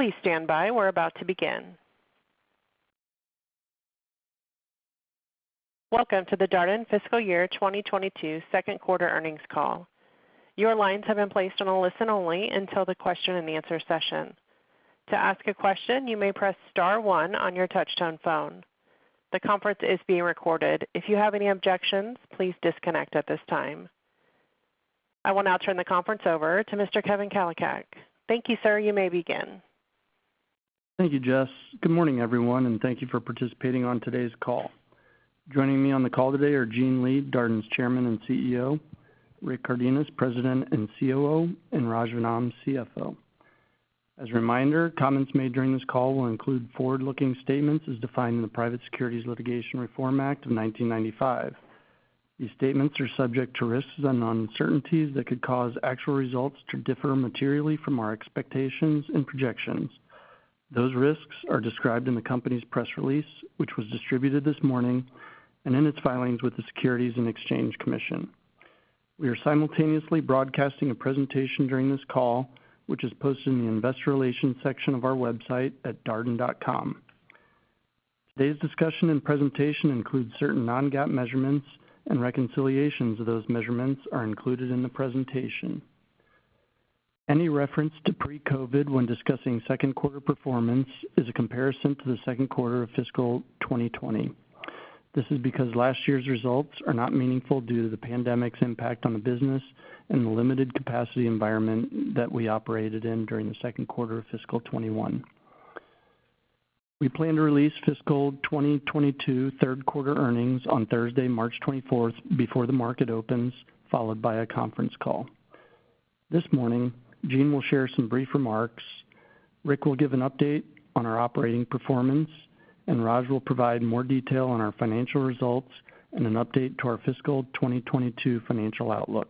Please stand by. We're about to begin. Welcome to the Darden Fiscal Year 2022 second quarter earnings call. Your lines have been placed on a listen-only until the question and answer session. To ask a question, you may press star one on your touchtone phone. The conference is being recorded. If you have any objections, please disconnect at this time. I will now turn the conference over to Mr. Kevin Kalicak. Thank you, sir. You may begin. Thank you, Jess. Good morning, everyone, and thank you for participating on today's call. Joining me on the call today are Gene Lee, Darden's Chairman and CEO, Rick Cardenas, President and COO, and Raj Vennam, CFO. As a reminder, comments made during this call will include forward-looking statements as defined in the Private Securities Litigation Reform Act of 1995. These statements are subject to risks and uncertainties that could cause actual results to differ materially from our expectations and projections. Those risks are described in the company's press release, which was distributed this morning, and in its filings with the Securities and Exchange Commission. We are simultaneously broadcasting a presentation during this call, which is posted in the Investor Relations section of our website at darden.com. Today's discussion and presentation includes certain non-GAAP measurements and reconciliations of those measurements are included in the presentation. Any reference to pre-COVID when discussing second quarter performance is a comparison to the second quarter of fiscal 2020. This is because last year's results are not meaningful due to the pandemic's impact on the business and the limited capacity environment that we operated in during the second quarter of fiscal 2021. We plan to release fiscal 2022 third quarter earnings on Thursday, March 24th, before the market opens, followed by a conference call. This morning, Gene will share some brief remarks. Rick will give an update on our operating performance, and Raj will provide more detail on our financial results and an update to our fiscal 2022 financial outlook.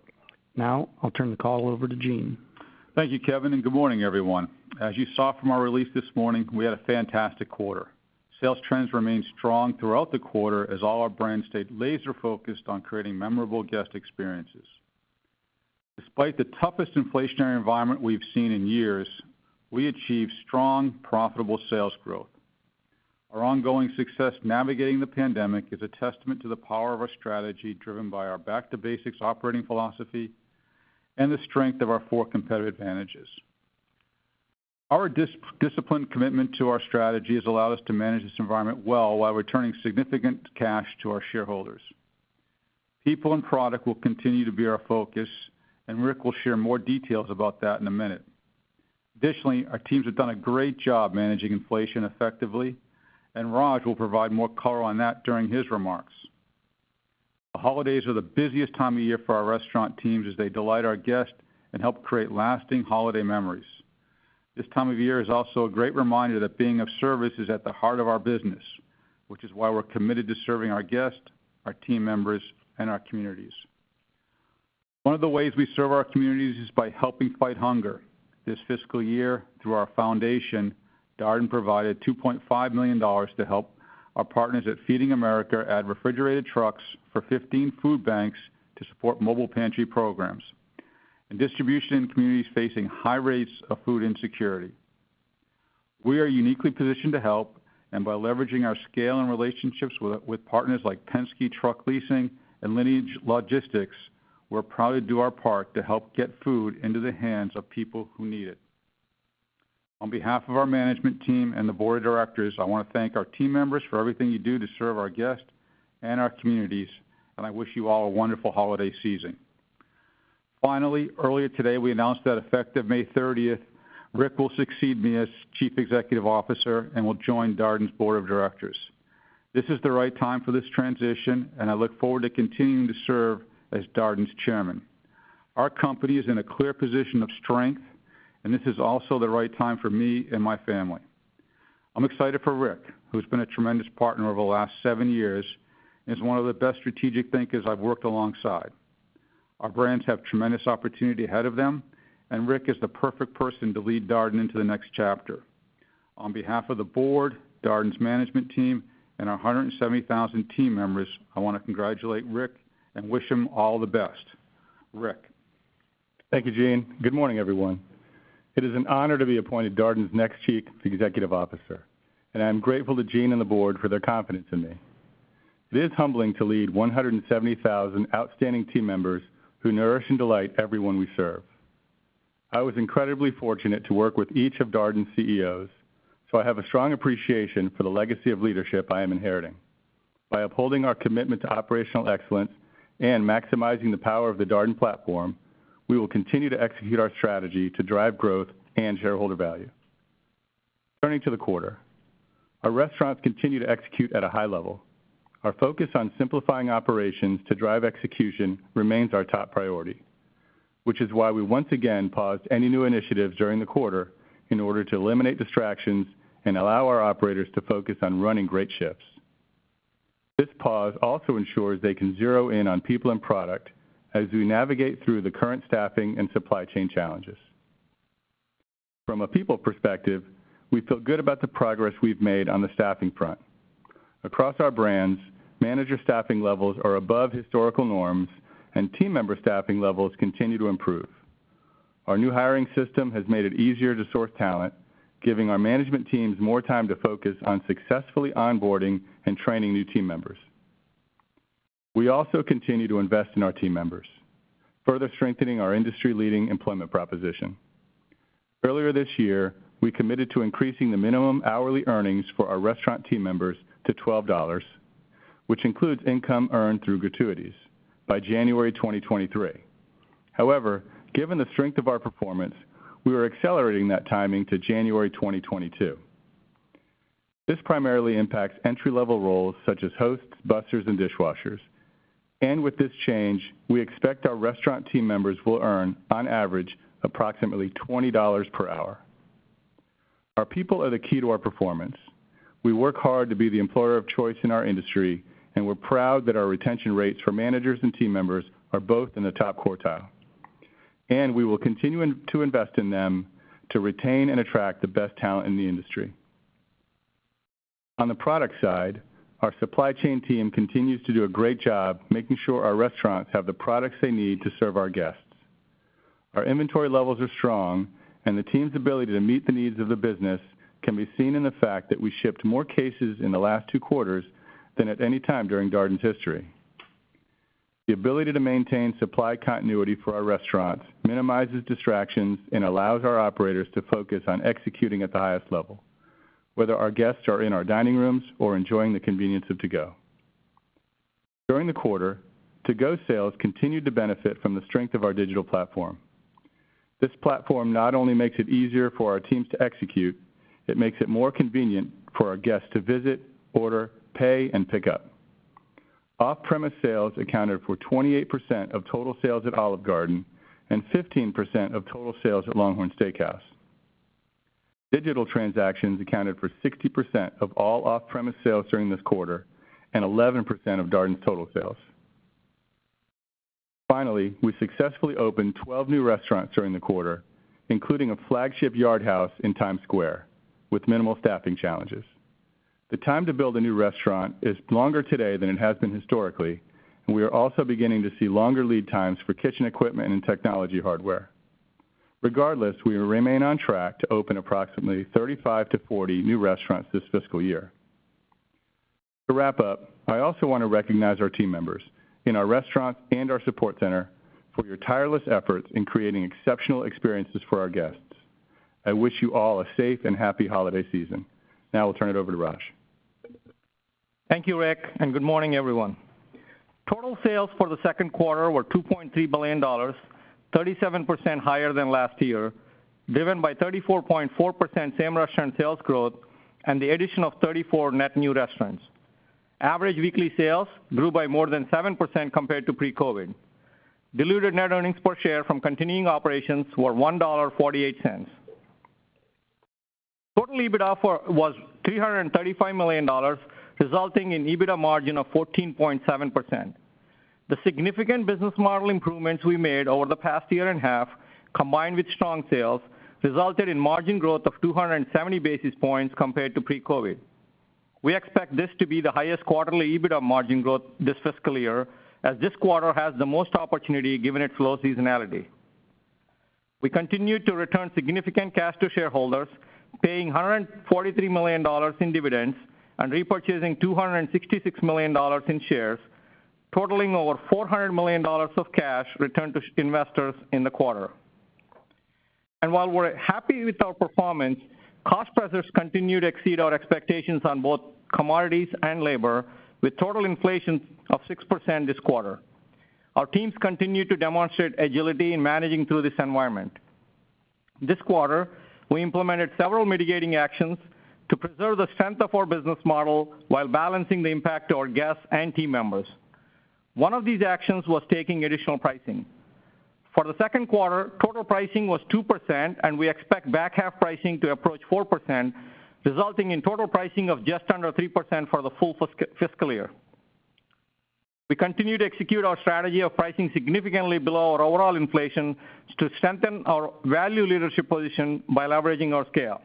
Now, I'll turn the call over to Gene. Thank you, Kevin, and good morning, everyone. As you saw from our release this morning, we had a fantastic quarter. Sales trends remained strong throughout the quarter as all our brands stayed laser-focused on creating memorable guest experiences. Despite the toughest inflationary environment we've seen in years, we achieved strong, profitable sales growth. Our ongoing success navigating the pandemic is a testament to the power of our strategy, driven by our Back-to-Basics Operating Philosophy and the strength of our Four Competitive Advantages. Our disciplined commitment to our strategy has allowed us to manage this environment well while returning significant cash to our shareholders. People and product will continue to be our focus, and Rick will share more details about that in a minute. Additionally, our teams have done a great job managing inflation effectively, and Raj will provide more color on that during his remarks. The holidays are the busiest time of year for our restaurant teams as they delight our guests and help create lasting holiday memories. This time of year is also a great reminder that being of service is at the heart of our business, which is why we're committed to serving our guests, our team members, and our communities. One of the ways we serve our communities is by helping fight hunger. This fiscal year, through our foundation, Darden provided $2.5 million to help our partners at Feeding America add refrigerated trucks for 15 food banks to support mobile pantry programs and distribution in communities facing high rates of food insecurity. We are uniquely positioned to help, and by leveraging our scale and relationships with partners like Penske Truck Leasing and Lineage Logistics, we're proud to do our part to help get food into the hands of people who need it. On behalf of our management team and the Board of Directors, I wanna thank our team members for everything you do to serve our guests and our communities, and I wish you all a wonderful holiday season. Finally, earlier today, we announced that effective May 30, Rick will succeed me as Chief Executive Officer and will join Darden's Board of Directors. This is the right time for this transition, and I look forward to continuing to serve as Darden's Chairman. Our company is in a clear position of strength, and this is also the right time for me and my family. I'm excited for Rick, who's been a tremendous partner over the last seven years and is one of the best strategic thinkers I've worked alongside. Our brands have tremendous opportunity ahead of them, and Rick is the perfect person to lead Darden into the next chapter. On behalf of the Board, Darden's management team, and our 170,000 team members, I wanna congratulate Rick and wish him all the best. Rick. Thank you, Gene. Good morning, everyone. It is an honor to be appointed Darden's next Chief Executive Officer, and I am grateful to Gene and the Board for their confidence in me. It is humbling to lead 170,000 outstanding team members who nourish and delight everyone we serve. I was incredibly fortunate to work with each of Darden's CEOs, so I have a strong appreciation for the legacy of leadership I am inheriting. By upholding our commitment to operational excellence and maximizing the power of the Darden platform, we will continue to execute our strategy to drive growth and shareholder value. Turning to the quarter, our restaurants continue to execute at a high level. Our focus on simplifying operations to drive execution remains our top priority, which is why we once again paused any new initiatives during the quarter in order to eliminate distractions and allow our operators to focus on running great shifts. This pause also ensures they can zero in on people and product as we navigate through the current staffing and supply chain challenges. From a people perspective, we feel good about the progress we've made on the staffing front. Across our brands, manager staffing levels are above historical norms and team member staffing levels continue to improve. Our new hiring system has made it easier to source talent, giving our management teams more time to focus on successfully onboarding and training new team members. We also continue to invest in our team members, further strengthening our industry-leading employment proposition. Earlier this year, we committed to increasing the minimum hourly earnings for our restaurant team members to $12, which includes income earned through gratuities, by January 2023. However, given the strength of our performance, we are accelerating that timing to January 2022. This primarily impacts entry-level roles such as hosts, busers, and dishwashers. With this change, we expect our restaurant team members will earn, on average, approximately $20 per hour. Our people are the key to our performance. We work hard to be the employer of choice in our industry, and we're proud that our retention rates for managers and team members are both in the top quartile. We will continue to invest in them to retain and attract the best talent in the industry. On the product side, our supply chain team continues to do a great job making sure our restaurants have the products they need to serve our guests. Our inventory levels are strong and the team's ability to meet the needs of the business can be seen in the fact that we shipped more cases in the last two quarters than at any time during Darden's history. The ability to maintain supply continuity for our restaurants minimizes distractions and allows our operators to focus on executing at the highest level, whether our guests are in our dining rooms or enjoying the convenience of To Go. During the quarter, To Go sales continued to benefit from the strength of our digital platform. This platform not only makes it easier for our teams to execute, it makes it more convenient for our guests to visit, order, pay, and pick up. Off-premise sales accounted for 28% of total sales at Olive Garden and 15% of total sales at LongHorn Steakhouse. Digital transactions accounted for 60% of all off-premise sales during this quarter and 11% of Darden's total sales. Finally, we successfully opened 12 new restaurants during the quarter, including a flagship Yard House in Times Square with minimal staffing challenges. The time to build a new restaurant is longer today than it has been historically, and we are also beginning to see longer lead times for kitchen equipment and technology hardware. Regardless, we remain on track to open approximately 35-40 new restaurants this fiscal year. To wrap up, I also want to recognize our team members in our restaurants and our support center for your tireless efforts in creating exceptional experiences for our guests. I wish you all a safe and happy holiday season. Now I'll turn it over to Raj. Thank you, Rick, and good morning, everyone. Total sales for the second quarter were $2.3 billion, 37% higher than last year, driven by 34.4% same-restaurant sales growth and the addition of 34 net new restaurants. Average weekly sales grew by more than 7% compared to pre-COVID. Diluted net earnings per share from continuing operations were $1.48. Total EBITDA was $335 million, resulting in EBITDA margin of 14.7%. The significant business model improvements we made over the past year and a half, combined with strong sales, resulted in margin growth of 270 basis points compared to pre-COVID. We expect this to be the highest quarterly EBITDA margin growth this fiscal year, as this quarter has the most opportunity, given its flow seasonality. We continue to return significant cash to shareholders, paying $143 million in dividends and repurchasing $266 million in shares, totaling over $400 million of cash returned to shareholders in the quarter. While we're happy with our performance, cost pressures continue to exceed our expectations on both commodities and labor, with total inflation of 6% this quarter. Our teams continue to demonstrate agility in managing through this environment. This quarter, we implemented several mitigating actions to preserve the strength of our business model while balancing the impact to our guests and team members. One of these actions was taking additional pricing. For the second quarter, total pricing was 2%, and we expect back half pricing to approach 4%, resulting in total pricing of just under 3% for the full fiscal year. We continue to execute our strategy of pricing significantly below our overall inflation to strengthen our value leadership position by leveraging our scale.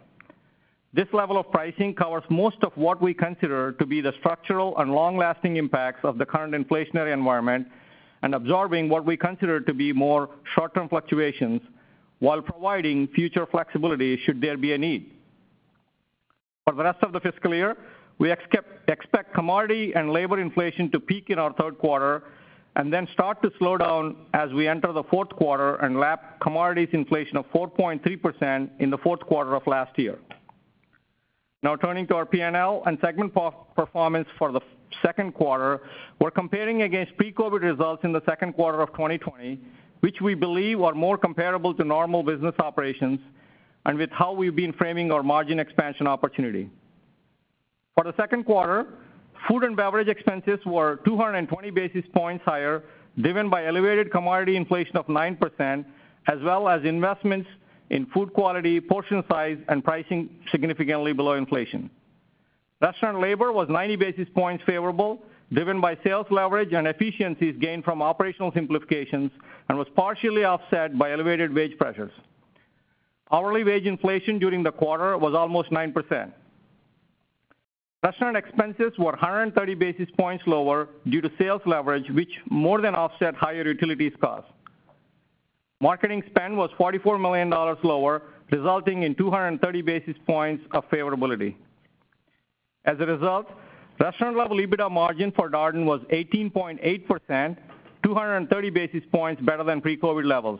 This level of pricing covers most of what we consider to be the structural and long-lasting impacts of the current inflationary environment and absorbing what we consider to be more short-term fluctuations while providing future flexibility should there be a need. For the rest of the fiscal year, we expect commodity and labor inflation to peak in our third quarter and then start to slow down as we enter the fourth quarter and lap commodities inflation of 4.3% in the fourth quarter of last year. Now turning to our P&L and segment performance for the fiscal second quarter, we're comparing against pre-COVID results in the second quarter of 2020, which we believe are more comparable to normal business operations and with how we've been framing our margin expansion opportunity. For the second quarter, food and beverage expenses were 220 basis points higher, driven by elevated commodity inflation of 9% as well as investments in food quality, portion size, and pricing significantly below inflation. Restaurant labor was 90 basis points favorable, driven by sales leverage and efficiencies gained from operational simplifications and was partially offset by elevated wage pressures. Hourly wage inflation during the quarter was almost 9%. Restaurant expenses were 130 basis points lower due to sales leverage, which more than offset higher utilities costs. Marketing spend was $44 million lower, resulting in 230 basis points of favorability. As a result, restaurant-level EBITDA margin for Darden was 18.8%, 230 basis points better than pre-COVID levels.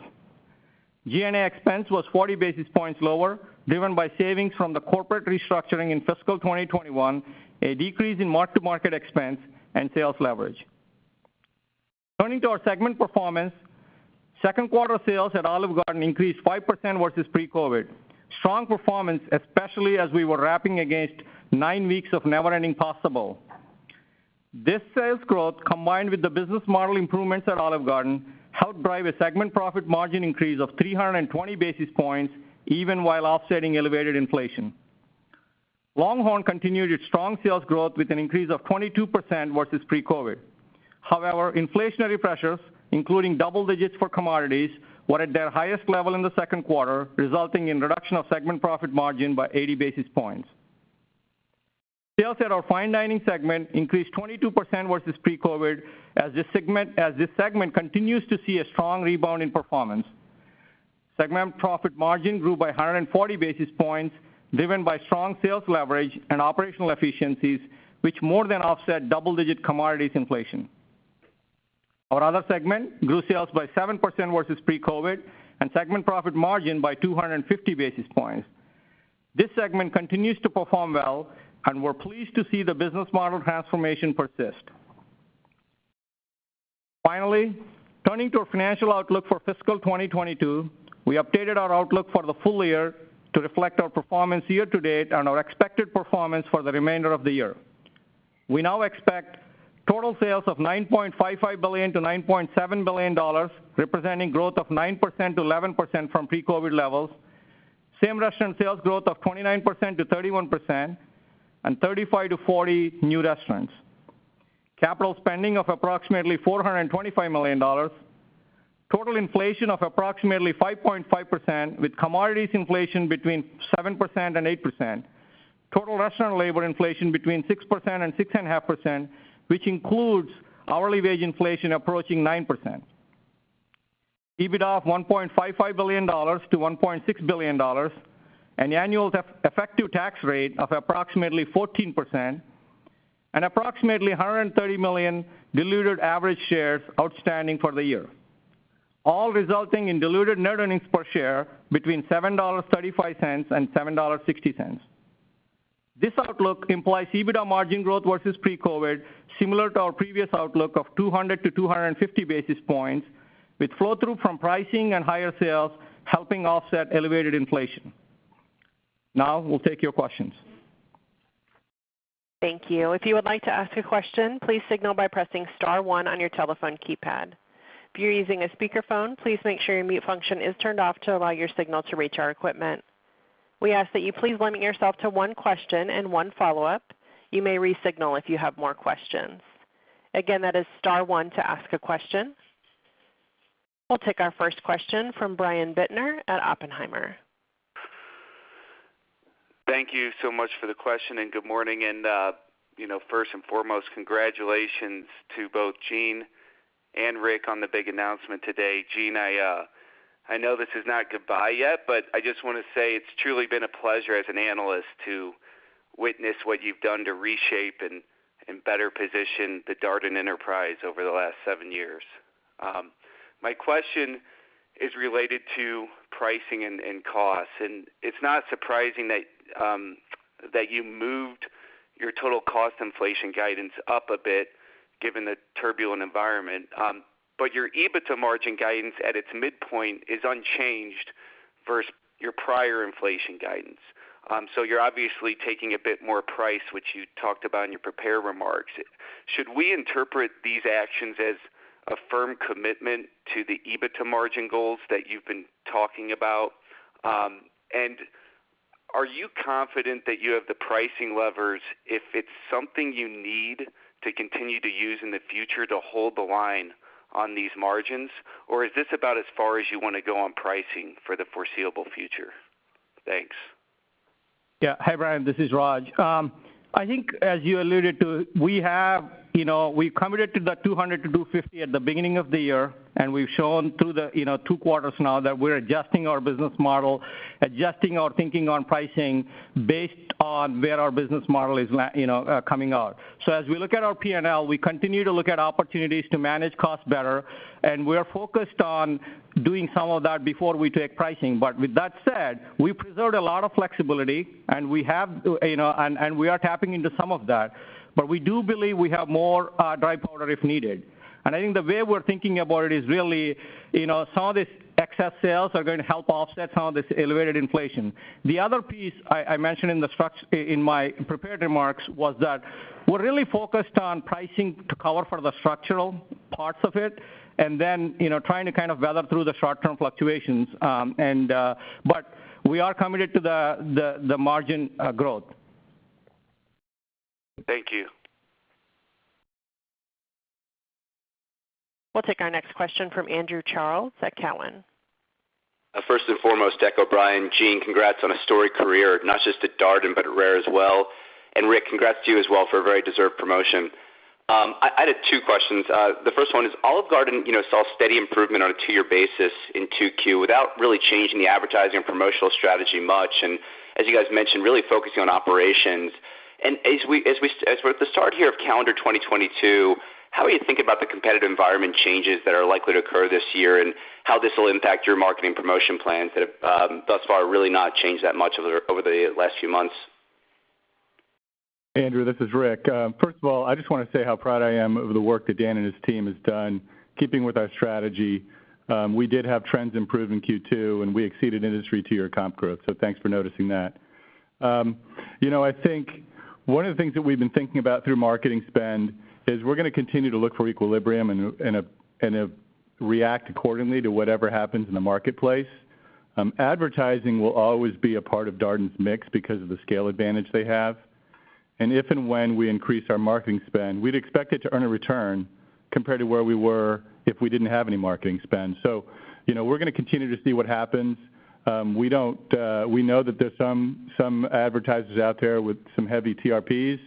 G&A expense was 40 basis points lower, driven by savings from the corporate restructuring in fiscal 2021, a decrease in mark-to-market expense and sales leverage. Turning to our segment performance, second quarter sales at Olive Garden increased 5% versus pre-COVID. Strong performance, especially as we were wrapping against 9 weeks of Never Ending Pasta Bowl. This sales growth, combined with the business model improvements at Olive Garden, helped drive a segment profit margin increase of 320 basis points, even while offsetting elevated inflation. LongHorn continued its strong sales growth with an increase of 22% versus pre-COVID. However, inflationary pressures, including double digits for commodities, were at their highest level in the second quarter, resulting in reduction of segment profit margin by 80 basis points. Sales at our Fine Dining segment increased 22% versus pre-COVID, as this segment continues to see a strong rebound in performance. Segment profit margin grew by 140 basis points, driven by strong sales leverage and operational efficiencies, which more than offset double-digit commodities inflation. Our Other segment grew sales by 7% versus pre-COVID and segment profit margin by 250 basis points. This segment continues to perform well, and we're pleased to see the business model transformation persist. Finally, turning to our financial outlook for fiscal 2022, we updated our outlook for the full year to reflect our performance year to date and our expected performance for the remainder of the year. We now expect total sales of $9.55 billion-$9.7 billion, representing growth of 9%-11% from pre-COVID levels. Same-restaurant sales growth of 29%-31% and 35-40 new restaurants. Capital spending of approximately $425 million. Total inflation of approximately 5.5%, with commodities inflation between 7%-8%. Total restaurant labor inflation between 6%-6.5%, which includes hourly wage inflation approaching 9%. EBITDA of $1.55 billion-$1.6 billion, and annual effective tax rate of approximately 14%. Approximately 130 million diluted average shares outstanding for the year, all resulting in diluted net earnings per share between $7.35 and $7.60. This outlook implies EBITDA margin growth versus pre-COVID, similar to our previous outlook of 200-250 basis points, with flow-through from pricing and higher sales helping offset elevated inflation. Now we'll take your questions. Thank you. If you would like to ask a question, please signal by pressing star one on your telephone keypad. If you're using a speakerphone, please make sure your mute function is turned off to allow your signal to reach our equipment. We ask that you please limit yourself to one question and one follow-up. You may re-signal if you have more questions. Again, that is star one to ask a question. We'll take our first question from Brian Bittner at Oppenheimer. Thank you so much for the question and good morning. You know, first and foremost, congratulations to both Gene and Rick on the big announcement today. Gene, I know this is not goodbye yet, but I just wanna say it's truly been a pleasure as an analyst to witness what you've done to reshape and better position the Darden enterprise over the last seven years. My question is related to pricing and costs. It's not surprising that you moved your total cost inflation guidance up a bit given the turbulent environment. But your EBITDA margin guidance at its midpoint is unchanged versus your prior inflation guidance. So you're obviously taking a bit more price, which you talked about in your prepared remarks. Should we interpret these actions as a firm commitment to the EBITDA margin goals that you've been talking about? Are you confident that you have the pricing levers if it's something you need to continue to use in the future to hold the line on these margins? Or is this about as far as you wanna go on pricing for the foreseeable future? Thanks. Hi, Brian. This is Raj. I think as you alluded to, we have, you know, we committed to the 200-250 basis points at the beginning of the year, and we've shown through the, you know, two quarters now that we're adjusting our business model, adjusting our thinking on pricing based on where our business model is coming out. As we look at our P&L, we continue to look at opportunities to manage costs better, and we are focused on doing some of that before we take pricing. With that said, we preserved a lot of flexibility, and we have, you know, and we are tapping into some of that. We do believe we have more dry powder if needed. I think the way we're thinking about it is really, you know, some of these excess sales are gonna help offset some of this elevated inflation. The other piece I mentioned in my prepared remarks was that we're really focused on pricing to cover for the structural parts of it and then, you know, trying to kind of weather through the short-term fluctuations. But we are committed to the margin growth. Thank you. We'll take our next question from Andrew Charles at Cowen. First and foremost, I echo Brian, Gene, congrats on a storied career, not just at Darden, but RARE as well. Rick, congrats to you as well for a very deserved promotion. I had two questions. The first one is Olive Garden, you know, saw steady improvement on a two-year basis in 2Q without really changing the advertising and promotional strategy much, and as you guys mentioned, really focusing on operations. As we're at the start here of calendar 2022, how are you thinking about the competitive environment changes that are likely to occur this year and how this will impact your marketing promotion plans that have thus far really not changed that much over the last few months? Andrew, this is Rick. First of all, I just wanna say how proud I am over the work that Dan and his team has done. Keeping with our strategy, we did have trends improve in Q2, and we exceeded industry two-year comp growth. Thanks for noticing that. You know, I think one of the things that we've been thinking about through marketing spend is we're gonna continue to look for equilibrium and react accordingly to whatever happens in the marketplace. Advertising will always be a part of Darden's mix because of the scale advantage they have. If and when we increase our marketing spend, we'd expect it to earn a return compared to where we were if we didn't have any marketing spend. You know, we're gonna continue to see what happens. We don't, we know that there's some advertisers out there with some heavy TRPs.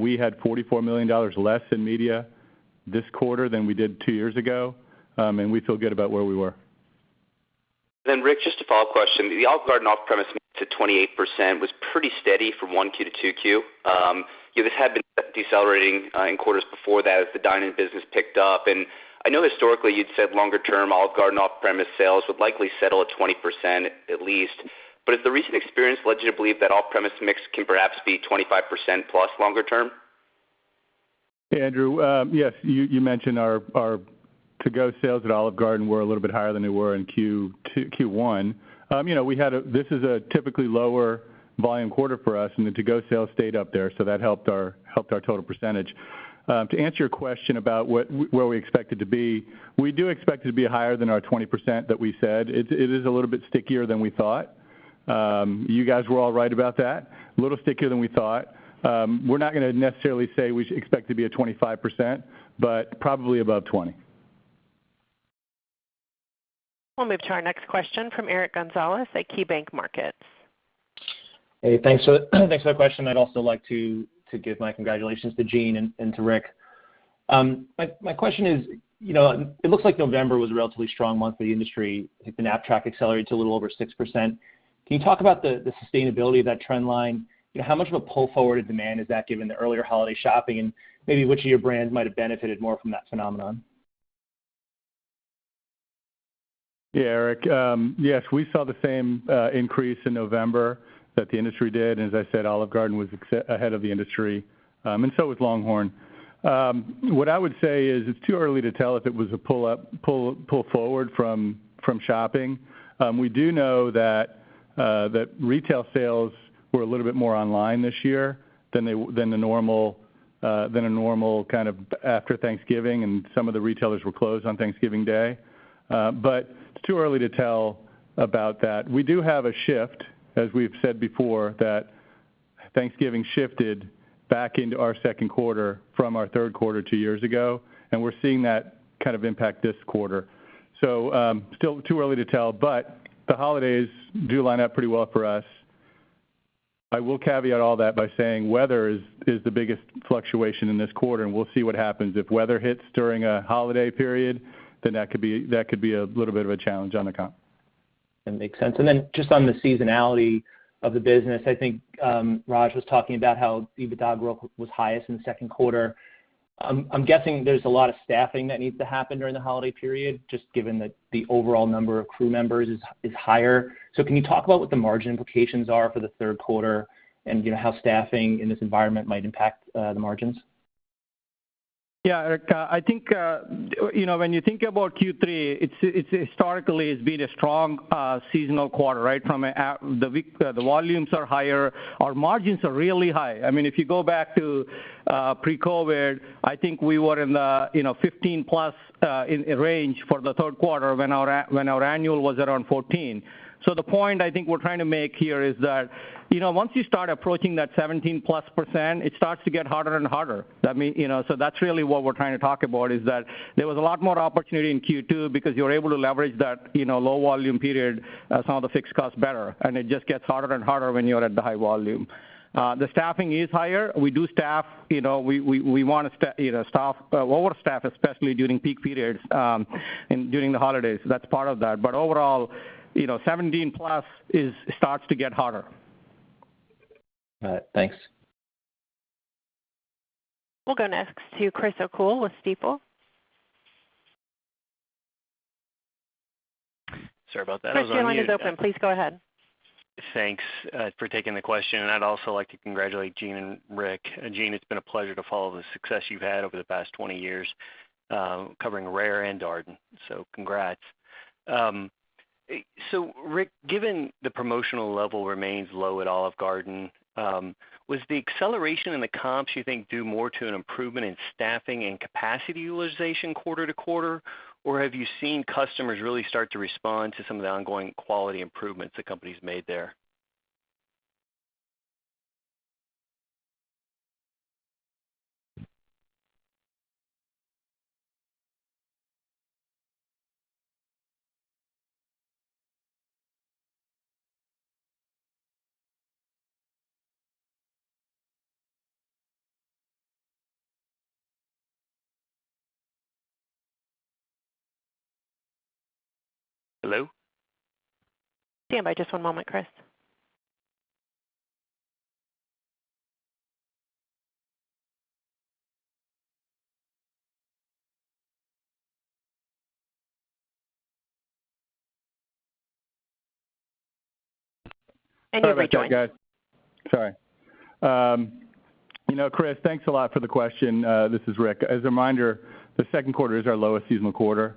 We had $44 million less in media this quarter than we did two years ago, and we feel good about where we were. Rick, just a follow-up question. The Olive Garden off-premise mix at 28% was pretty steady from 1Q to 2Q. This had been decelerating in quarters before that as the dine-in business picked up. I know historically you'd said longer term Olive Garden off-premise sales would likely settle at 20% at least. Has the recent experience led you to believe that off-premise mix can perhaps be 25%+ longer term? Andrew, yes. You mentioned our To Go sales at Olive Garden were a little bit higher than they were in Q1. You know, this is a typically lower volume quarter for us, and the To Go sales stayed up there, so that helped our total percentage. To answer your question about where we expect it to be, we do expect it to be higher than our 20% that we said. It is a little bit stickier than we thought. You guys were all right about that. A little stickier than we thought. We're not gonna necessarily say we expect it to be at 25%, but probably above 20%. We'll move to our next question from Eric Gonzalez at KeyBanc Markets. Hey, thanks for the question. I'd also like to give my congratulations to Gene and to Rick. My question is, you know, it looks like November was a relatively strong month for the industry. I think the KNAPP-TRACK accelerated to a little over 6%. Can you talk about the sustainability of that trend line? You know, how much of a pull-forward demand is that given the earlier holiday shopping? And maybe which of your brands might have benefited more from that phenomenon? Yeah, Eric. Yes, we saw the same increase in November that the industry did, and as I said, Olive Garden was ahead of the industry, and so was LongHorn. What I would say is it's too early to tell if it was a pull forward from shopping. We do know that retail sales were a little bit more online this year than the normal kind of after Thanksgiving, and some of the retailers were closed on Thanksgiving Day. But it's too early to tell about that. We do have a shift, as we've said before, that Thanksgiving shifted back into our second quarter from our third quarter two years ago, and we're seeing that kind of impact this quarter. Still too early to tell, but the holidays do line up pretty well for us. I will caveat all that by saying weather is the biggest fluctuation in this quarter, and we'll see what happens. If weather hits during a holiday period, then that could be a little bit of a challenge on the comp. That makes sense. Just on the seasonality of the business, I think, Raj was talking about how EBITDA growth was highest in the second quarter. I'm guessing there's a lot of staffing that needs to happen during the holiday period, just given that the overall number of crew members is higher. Can you talk about what the margin implications are for the third quarter and, you know, how staffing in this environment might impact the margins? Yeah, Eric, I think, you know, when you think about Q3, it's historically has been a strong seasonal quarter, right? The volumes are higher. Our margins are really high. I mean, if you go back to pre-COVID, I think we were in the, you know, 15+ in range for the third quarter when our annual was around 14. The point I think we're trying to make here is that, you know, once you start approaching that 17+%, it starts to get harder and harder. You know, so that's really what we're trying to talk about, is that there was a lot more opportunity in Q2 because you're able to leverage that, you know, low volume period, some of the fixed costs better, and it just gets harder and harder when you're at the high volume. The staffing is higher. We do staff, you know, we wanna staff, you know, overstaff, especially during peak periods, and during the holidays. That's part of that. Overall, you know, 17 plus starts to get harder. All right. Thanks. We'll go next to Chris O'Cull with Stifel. Sorry about that. I was on mute. Chris, your line is open. Please go ahead. Thanks for taking the question. I'd also like to congratulate Gene and Rick. Gene, it's been a pleasure to follow the success you've had over the past 20 years, covering RARE and Darden. Congrats. Rick, given the promotional level remains low at Olive Garden, was the acceleration in the comps you think due more to an improvement in staffing and capacity utilization quarter to quarter? Or have you seen customers really start to respond to some of the ongoing quality improvements the company's made there? Hello? Stand by just one moment, Chris. You're rejoining. All right, let's go guys. Sorry. You know, Chris, thanks a lot for the question. This is Rick. As a reminder, the second quarter is our lowest seasonal quarter.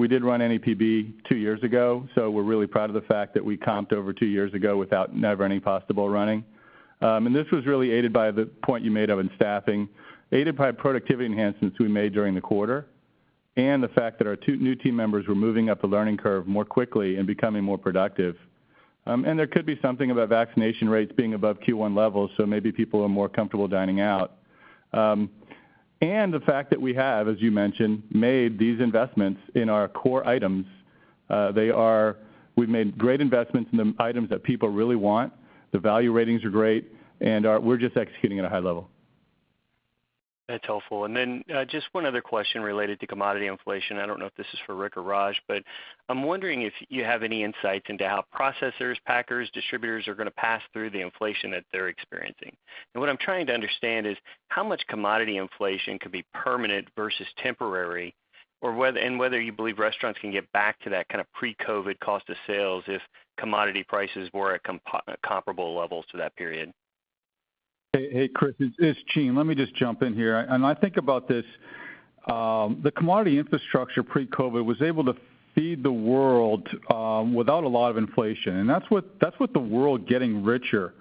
We did run NEPB two years ago, so we're really proud of the fact that we comped over two years ago without NEPB running. This was really aided by the point you made on staffing, aided by productivity enhancements we made during the quarter, and the fact that our two new team members were moving up the learning curve more quickly and becoming more productive. There could be something about vaccination rates being above Q1 levels, so maybe people are more comfortable dining out. The fact that we have, as you mentioned, made these investments in our core items. We've made great investments in the items that people really want. The value ratings are great, and we're just executing at a high level. That's helpful. Then, just one other question related to commodity inflation. I don't know if this is for Rick or Raj, but I'm wondering if you have any insights into how processors, packers, distributors are gonna pass through the inflation that they're experiencing. What I'm trying to understand is how much commodity inflation could be permanent versus temporary, or whether you believe restaurants can get back to that kind of pre-COVID cost of sales if commodity prices were at comparable levels to that period. Hey, hey Chris, it's Gene. Let me just jump in here. I think about this, the commodity infrastructure pre-COVID was able to feed the world, without a lot of inflation, and that's with the world getting richer.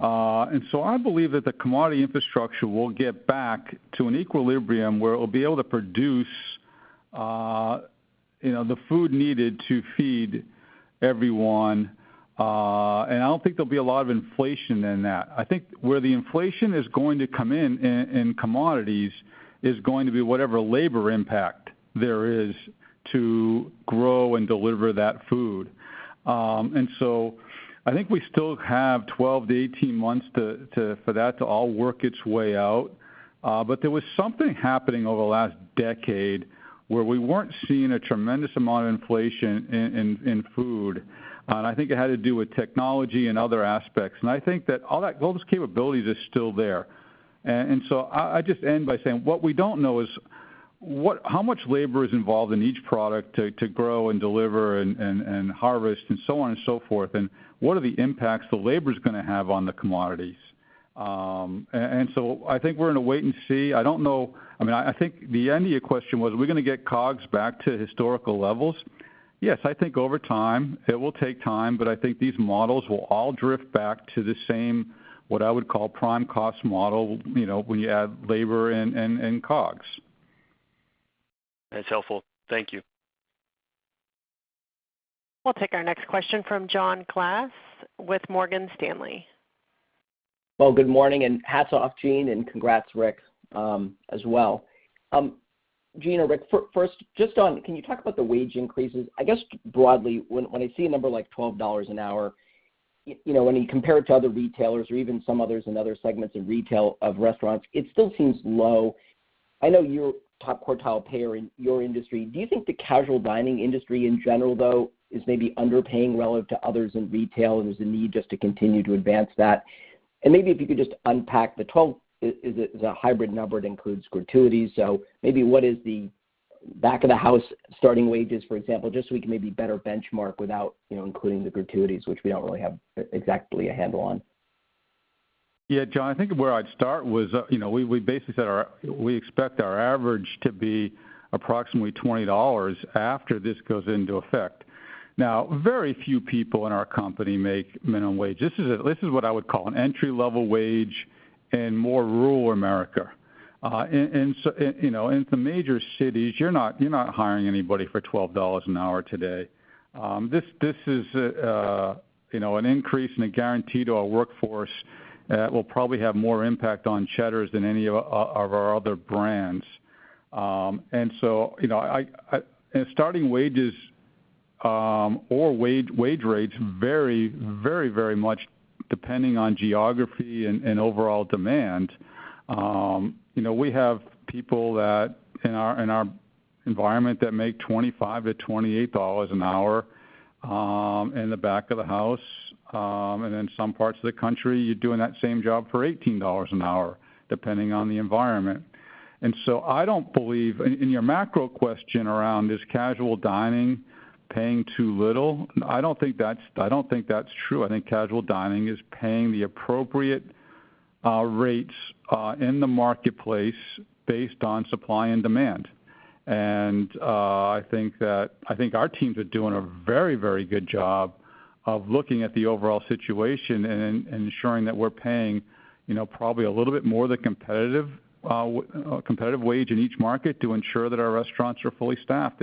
I believe that the commodity infrastructure will get back to an equilibrium where it'll be able to produce, you know, the food needed to feed everyone, and I don't think there'll be a lot of inflation in that. I think where the inflation is going to come in in commodities is going to be whatever labor impact there is to grow and deliver that food. I think we still have 12-18 months to for that to all work its way out. There was something happening over the last decade where we weren't seeing a tremendous amount of inflation in food. I think it had to do with technology and other aspects. I think that all that global capabilities is still there. I just end by saying what we don't know is how much labor is involved in each product to grow and deliver and harvest and so on and so forth, and what are the impacts the labor's gonna have on the commodities. I think we're in a wait and see. I don't know. I mean, I think the end of your question was, are we gonna get COGS back to historical levels? Yes, I think over time. It will take time, but I think these models will all drift back to the same, what I would call, prime cost model, you know, when you add labor and COGS. That's helpful. Thank you. We'll take our next question from John Glass with Morgan Stanley. Well, good morning, and hats off Gene, and congrats Rick, as well. Gene or Rick, first, just on. Can you talk about the wage increases? I guess broadly, when I see a number like $12 an hour, you know, when you compare it to other retailers or even some others in other segments of retail, of restaurants, it still seems low. I know you're top quartile payer in your industry. Do you think the casual dining industry in general, though, is maybe underpaying relative to others in retail, and there's a need just to continue to advance that? Maybe if you could just unpack the 12. Is it a hybrid number that includes gratuities? Maybe what is the back of the house starting wages, for example, just so we can maybe better benchmark without, you know, including the gratuities, which we don't really have exactly a handle on. Yeah, John, I think where I'd start was we basically said we expect our average to be approximately $20 after this goes into effect. Now, very few people in our company make minimum wage. This is what I would call an entry-level wage in more rural America. In the major cities, you're not hiring anybody for $12 an hour today. This is an increase and a guarantee to our workforce will probably have more impact on Cheddar's than any of our other brands. Starting wages or wage rates vary very much depending on geography and overall demand. You know, we have people in our environment that make $25-$28 an hour in the back of the house. In some parts of the country, you are doing that same job for $18 an hour, depending on the environment. I don't believe in your macro question around is casual dining paying too little. I don't think that's true. I think casual dining is paying the appropriate rates in the marketplace based on supply and demand. I think our teams are doing a very good job of looking at the overall situation and ensuring that we are paying you know, probably a little bit more than competitive wage in each market to ensure that our restaurants are fully staffed.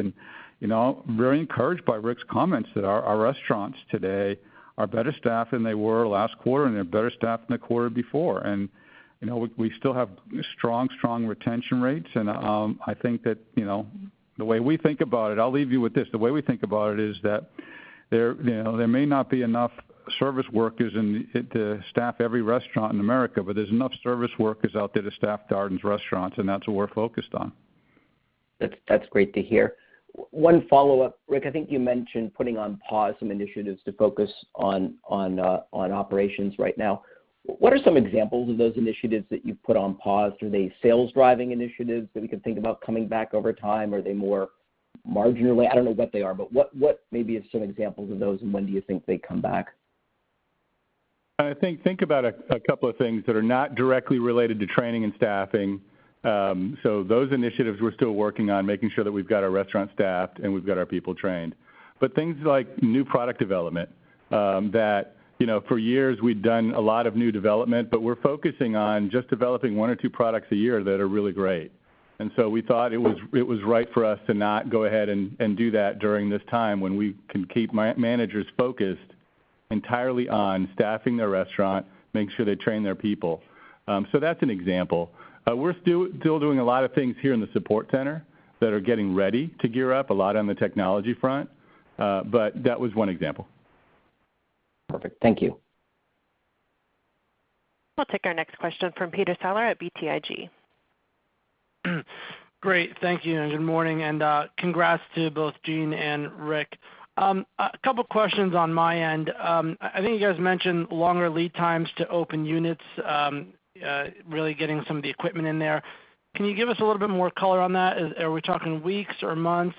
You know, very encouraged by Rick's comments that our restaurants today are better staffed than they were last quarter, and they're better staffed than the quarter before. You know, we still have strong retention rates. I think that, you know, the way we think about it, I'll leave you with this. The way we think about it is that. There, you know, there may not be enough service workers in the U.S. to staff every restaurant in America, but there's enough service workers out there to staff Darden's restaurants, and that's what we're focused on. That's great to hear. One follow-up. Rick, I think you mentioned putting on pause some initiatives to focus on operations right now. What are some examples of those initiatives that you've put on pause? Are they sales-driving initiatives that we can think about coming back over time? Are they more marginal? I don't know what they are, but what maybe are some examples of those, and when do you think they come back? I think about a couple of things that are not directly related to training and staffing. So those initiatives we're still working on, making sure that we've got our restaurant staffed and we've got our people trained. Things like new product development, that, you know, for years we've done a lot of new development, but we're focusing on just developing one or two products a year that are really great. We thought it was right for us to not go ahead and do that during this time when we can keep managers focused entirely on staffing their restaurant, making sure they train their people. So that's an example. We're still doing a lot of things here in the support center that are getting ready to gear up, a lot on the technology front. That was one example. Perfect. Thank you. We'll take our next question from Peter Saleh at BTIG. Great. Thank you, and good morning, and congrats to both Gene and Rick. A couple questions on my end. I think you guys mentioned longer lead times to open units, really getting some of the equipment in there. Can you give us a little bit more color on that? Are we talking weeks or months?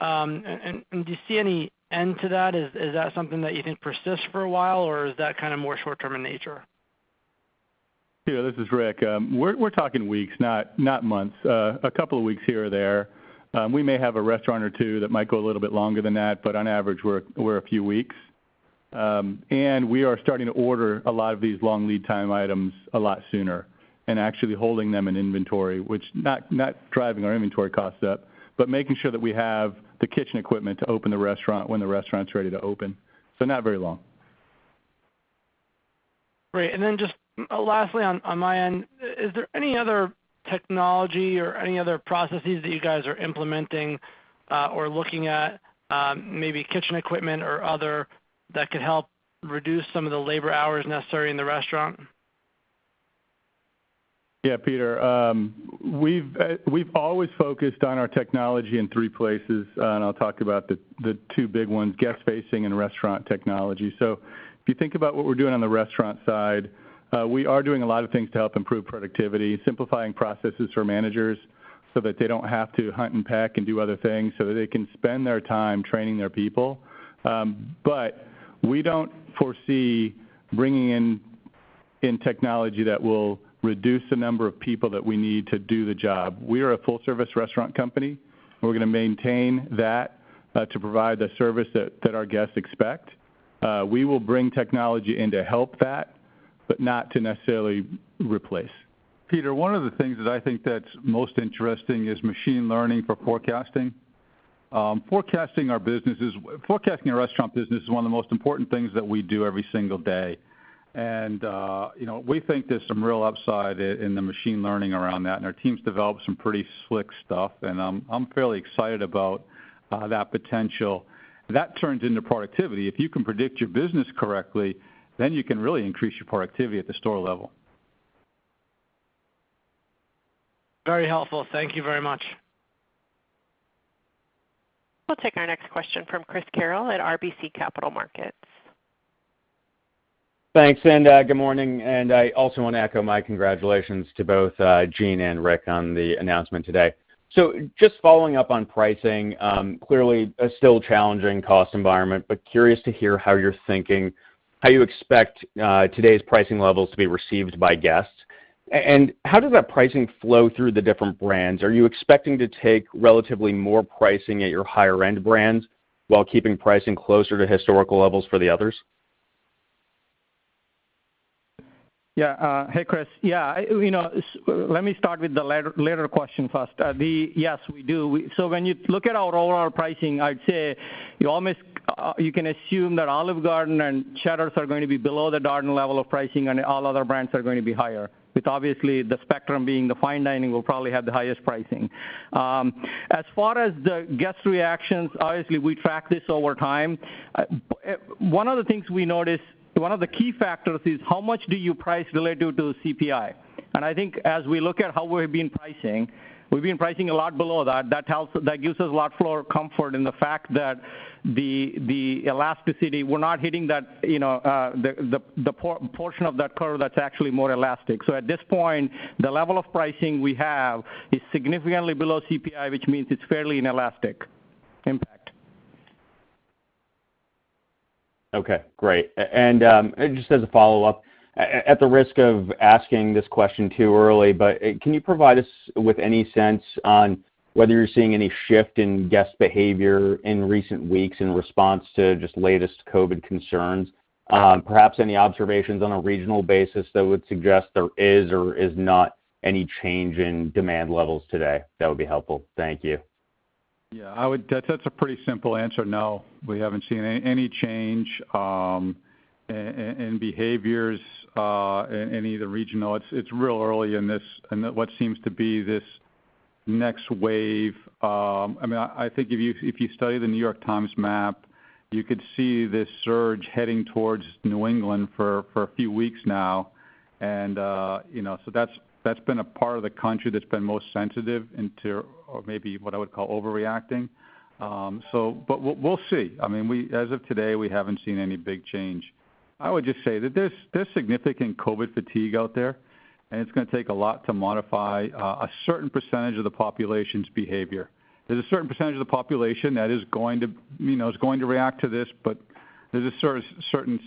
And do you see any end to that? Is that something that you think persists for a while, or is that kind of more short-term in nature? Yeah, this is Rick. We're talking weeks, not months. A couple of weeks here or there. We may have a restaurant or two that might go a little bit longer than that, but on average, we're a few weeks. We are starting to order a lot of these long lead time items a lot sooner and actually holding them in inventory, which is not driving our inventory costs up, but making sure that we have the kitchen equipment to open the restaurant when the restaurant's ready to open. Not very long. Great. Just lastly on my end, is there any other technology or any other processes that you guys are implementing, or looking at, maybe kitchen equipment or other that could help reduce some of the labor hours necessary in the restaurant? Yeah, Peter, we've always focused on our technology in three places, and I'll talk about the two big ones, guest facing and restaurant technology. If you think about what we're doing on the restaurant side, we are doing a lot of things to help improve productivity, simplifying processes for managers so that they don't have to hunt and peck and do other things so they can spend their time training their people. We don't foresee bringing in technology that will reduce the number of people that we need to do the job. We are a full-service restaurant company. We're gonna maintain that, to provide the service that our guests expect. We will bring technology in to help that, but not to necessarily replace. Peter, one of the things that I think that's most interesting is machine learning for forecasting. Forecasting a restaurant business is one of the most important things that we do every single day. You know, we think there's some real upside in the machine learning around that, and our team's developed some pretty slick stuff, and I'm fairly excited about that potential. That turns into productivity. If you can predict your business correctly, then you can really increase your productivity at the store level. Very helpful. Thank you very much. We'll take our next question from Chris Carril at RBC Capital Markets. Thanks and good morning. I also want to echo my congratulations to both Gene and Rick on the announcement today. Just following up on pricing, clearly a still challenging cost environment, but curious to hear how you're thinking, how you expect today's pricing levels to be received by guests. And how does that pricing flow through the different brands? Are you expecting to take relatively more pricing at your higher-end brands while keeping pricing closer to historical levels for the others? Yeah. Hey, Chris. Yeah, you know, let me start with the latter question first. Yes, we do. When you look at our overall pricing, I'd say you can assume that Olive Garden and Cheddar's are going to be below the Darden level of pricing and all other brands are going to be higher, with obviously the spectrum being the fine dining will probably have the highest pricing. As far as the guest reactions, obviously we track this over time. One of the things we notice, one of the key factors is how much do you price related to CPI? I think as we look at how we've been pricing, we've been pricing a lot below that. That helps, that gives us a lot more comfort in the fact that the elasticity, we're not hitting that, you know, the portion of that curve that's actually more elastic. At this point, the level of pricing we have is significantly below CPI, which means it's fairly inelastic impact. Okay, great. Just as a follow-up, at the risk of asking this question too early, but can you provide us with any sense on whether you're seeing any shift in guest behavior in recent weeks in response to just latest COVID concerns? Perhaps any observations on a regional basis that would suggest there is or is not any change in demand levels today. That would be helpful. Thank you. Yeah, that's a pretty simple answer. No, we haven't seen any change in behaviors in any of the regional. It's real early in this, in what seems to be this Next wave. I mean, I think if you study the New York Times map, you could see this surge heading towards New England for a few weeks now and you know, so that's been a part of the country that's been most sensitive to or maybe what I would call overreacting. But we'll see. I mean, we as of today haven't seen any big change. I would just say that there's significant COVID fatigue out there, and it's gonna take a lot to modify a certain percentage of the population's behavior. There's a certain percentage of the population that is going to, you know, is going to react to this, but there's a certain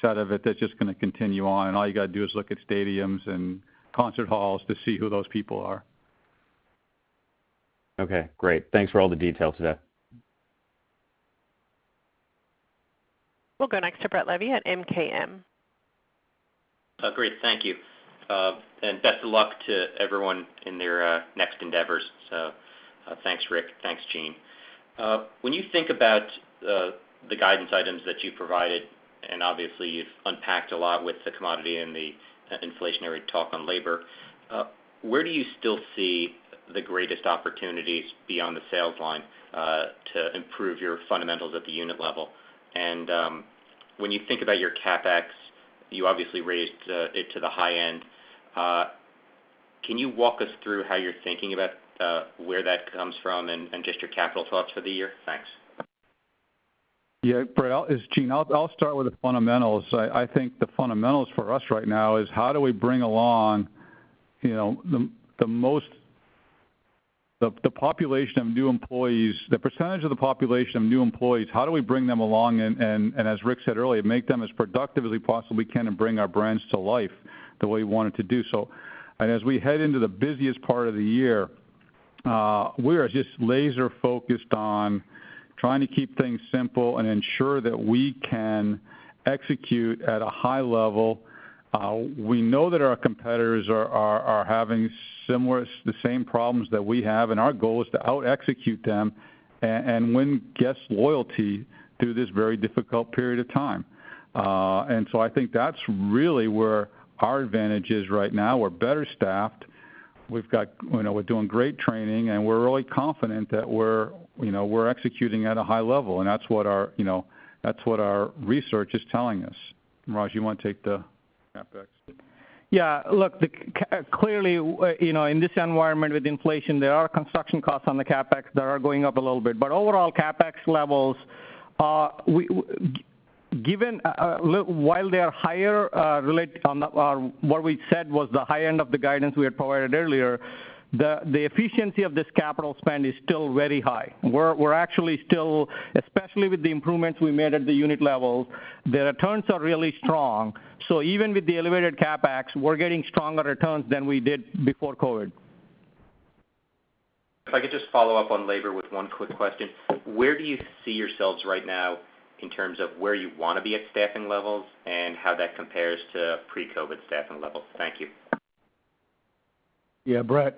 set of it that's just gonna continue on, and all you gotta do is look at stadiums and concert halls to see who those people are. Okay, great. Thanks for all the details today. We'll go next to Brett Levy at MKM. Great, thank you. Best of luck to everyone in their next endeavors. Thanks, Rick. Thanks, Gene. When you think about the guidance items that you provided, and obviously you've unpacked a lot with the commodity and the inflationary talk on labor, where do you still see the greatest opportunities beyond the sales line to improve your fundamentals at the unit level? When you think about your CapEx, you obviously raised it to the high end. Can you walk us through how you're thinking about where that comes from and just your capital thoughts for the year? Thanks. Yeah. Brett, it's Gene. I'll start with the fundamentals. I think the fundamentals for us right now is how do we bring along, you know, the population of new employees, the percentage of the population of new employees, how do we bring them along and, as Rick said earlier, make them as productive as we possibly can and bring our brands to life the way we want it to do so. As we head into the busiest part of the year, we are just laser focused on trying to keep things simple and ensure that we can execute at a high level. We know that our competitors are having similar, the same problems that we have, and our goal is to out-execute them and win guests' loyalty through this very difficult period of time. I think that's really where our advantage is right now. We're better staffed. We've got, you know, we're doing great training, and we're really confident that we're, you know, we're executing at a high level, and that's what our, you know, that's what our research is telling us. Raj, you wanna take the CapEx? Yeah. Look, clearly, you know, in this environment with inflation, there are construction costs on the CapEx that are going up a little bit. Overall CapEx levels are, while they are higher, relative to what we said was the high end of the guidance we had provided earlier, the efficiency of this capital spend is still very high. We're actually still, especially with the improvements we made at the unit level, the returns are really strong. Even with the elevated CapEx, we're getting stronger returns than we did before COVID. If I could just follow up on labor with one quick question. Where do you see yourselves right now in terms of where you wanna be at staffing levels and how that compares to pre-COVID staffing levels? Thank you. Yeah, Brett,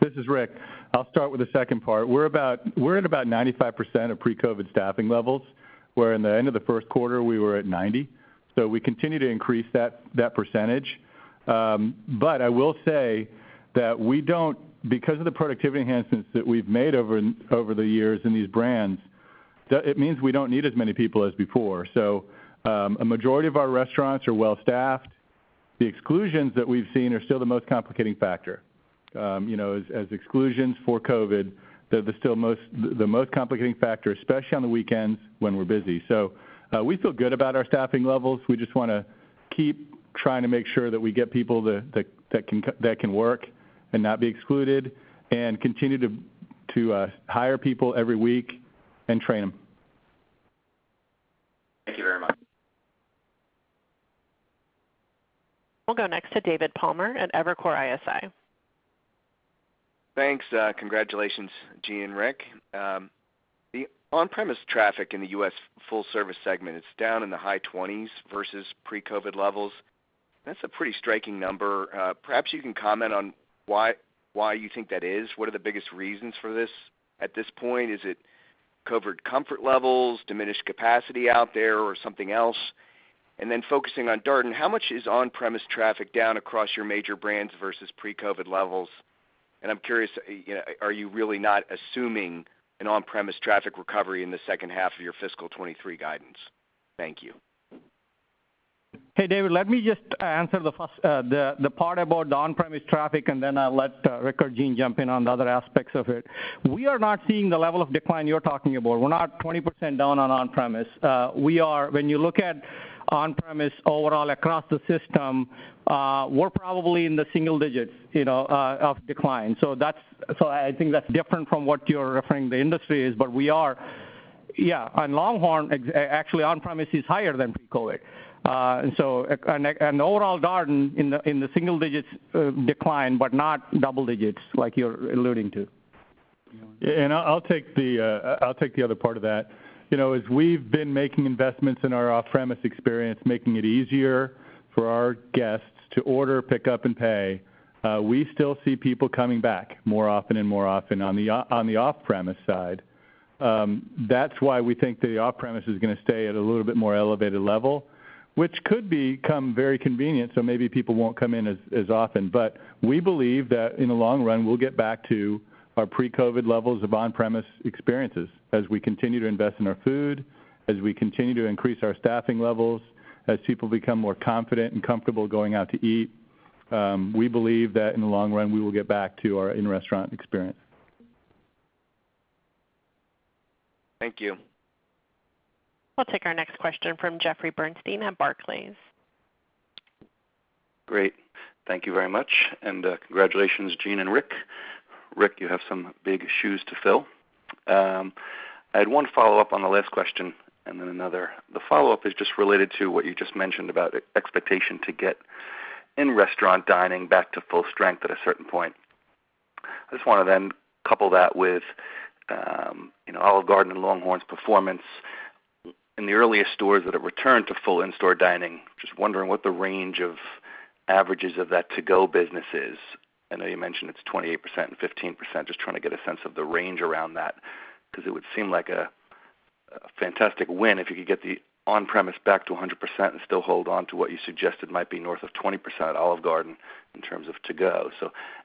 this is Rick. I'll start with the second part. We're at about 95% of pre-COVID staffing levels, where in the end of the first quarter we were at 90%. We continue to increase that percentage. But I will say that we don't need as many people as before because of the productivity enhancements that we've made over the years in these brands. It means we don't need as many people as before. A majority of our restaurants are well-staffed. The exclusions that we've seen are still the most complicating factor. You know, as exclusions for COVID, they're still the most complicating factor, especially on the weekends when we're busy. We feel good about our staffing levels. We just wanna keep trying to make sure that we get people that can work and not be excluded and continue to hire people every week and train them. Thank you very much. We'll go next to David Palmer at Evercore ISI. Thanks. Congratulations, Gene and Rick. The on-premise traffic in the U.S. full-service segment is down in the high twenties versus pre-COVID levels. That's a pretty striking number. Perhaps you can comment on why you think that is. What are the biggest reasons for this at this point? Is it COVID comfort levels, diminished capacity out there, or something else? Focusing on Darden, how much is on-premise traffic down across your major brands versus pre-COVID levels? I'm curious, you know, are you really not assuming an on-premise traffic recovery in the second half of your fiscal 2023 guidance? Thank you. Hey, David, let me just answer the first part about the on-premise traffic, and then I'll let Rick or Gene jump in on the other aspects of it. We are not seeing the level of decline you're talking about. We're not 20% down on on-premise. When you look at on-premise overall across the system, we're probably in the single digits, you know, of decline. I think that's different from what you're referring to the industry is, but we are. Yeah. On LongHorn, actually on-premise is higher than pre-COVID. And so overall Darden in the single digits decline, but not double digits like you're alluding to. I'll take the other part of that. You know, as we've been making investments in our off-premise experience, making it easier for our guests to order, pick up, and pay, we still see people coming back more often and more often on the off-premise side. That's why we think the off-premise is gonna stay at a little bit more elevated level, which could become very convenient, so maybe people won't come in as often. We believe that in the long run, we'll get back to our pre-COVID levels of on-premise experiences as we continue to invest in our food, as we continue to increase our staffing levels, as people become more confident and comfortable going out to eat. We believe that in the long run, we will get back to our in-restaurant experience. Thank you. We'll take our next question from Jeffrey Bernstein at Barclays. Great. Thank you very much, and congratulations, Gene and Rick. Rick, you have some big shoes to fill. I had one follow-up on the last question and then another. The follow-up is just related to what you just mentioned about expectation to get in-restaurant dining back to full strength at a certain point. I just wanna then couple that with, Olive Garden and LongHorn's performance in the earliest stores that have returned to full in-store dining. Just wondering what the range of averages of that To Go business is. I know you mentioned it's 28% and 15%. Just trying to get a sense of the range around that because it would seem like a fantastic win if you could get the on-premise back to 100% and still hold on to what you suggested might be north of 20% at Olive Garden in terms of To Go.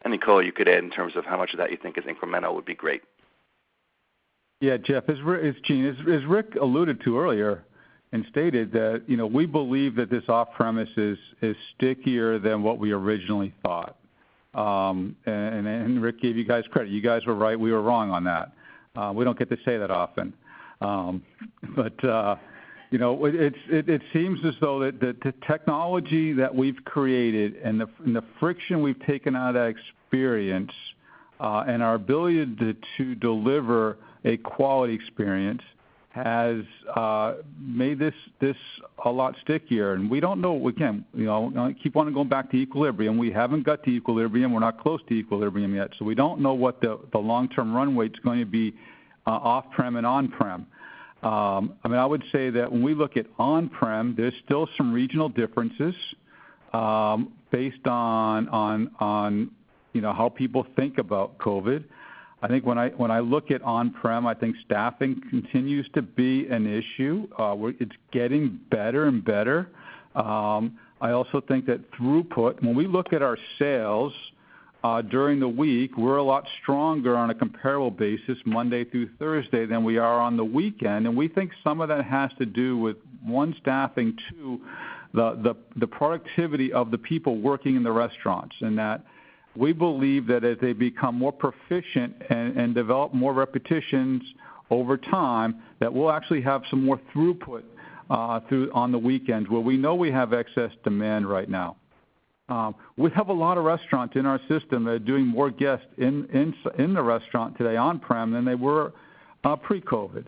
Any color you could add in terms of how much of that you think is incremental would be great. Yeah, Jeff, as Gene, as Rick alluded to earlier and stated that, you know, we believe that this off-premise is stickier than what we originally thought. Rick gave you guys credit. You guys were right, we were wrong on that. We don't get to say that often. You know, it seems as though that the technology that we've created and the friction we've taken out of that experience, and our ability to deliver a quality experience has made this a lot stickier. We don't know. Again, you know, I keep wanting To Go back to equilibrium. We haven't got to equilibrium. We're not close to equilibrium yet. So we don't know what the long-term runway is going to be, off-premise and on-premise. I mean, I would say that when we look at on-prem, there's still some regional differences, based on, you know, how people think about COVID. I think when I look at on-prem, I think staffing continues to be an issue, where it's getting better and better. I also think that throughput, when we look at our sales, during the week, we're a lot stronger on a comparable basis Monday through Thursday than we are on the weekend. We think some of that has to do with, one, staffing, two, the productivity of the people working in the restaurants, that we believe that as they become more proficient and develop more repetitions over time, that we'll actually have some more throughput on the weekends where we know we have excess demand right now. We have a lot of restaurants in our system that are doing more guests in the restaurant today on-prem than they were pre-COVID.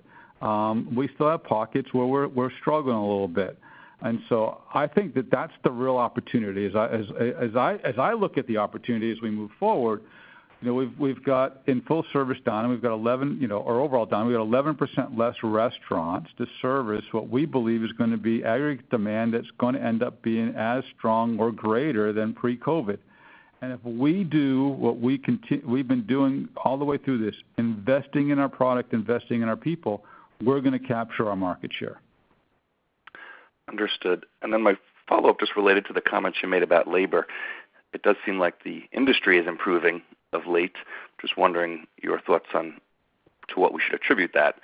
We still have pockets where we're struggling a little bit. I think that that's the real opportunity. As I look at the opportunity as we move forward, you know, we've got in full-service dining, we've got 11, you know, or overall dining, we got 11% less restaurants to service what we believe is gonna be aggregate demand that's gonna end up being as strong or greater than pre-COVID. If we do what we've been doing all the way through this, investing in our product, investing in our people, we're gonna capture our market share. Understood. Then my follow-up just related to the comments you made about labor. It does seem like the industry is improving of late. Just wondering your thoughts on to what we should attribute that.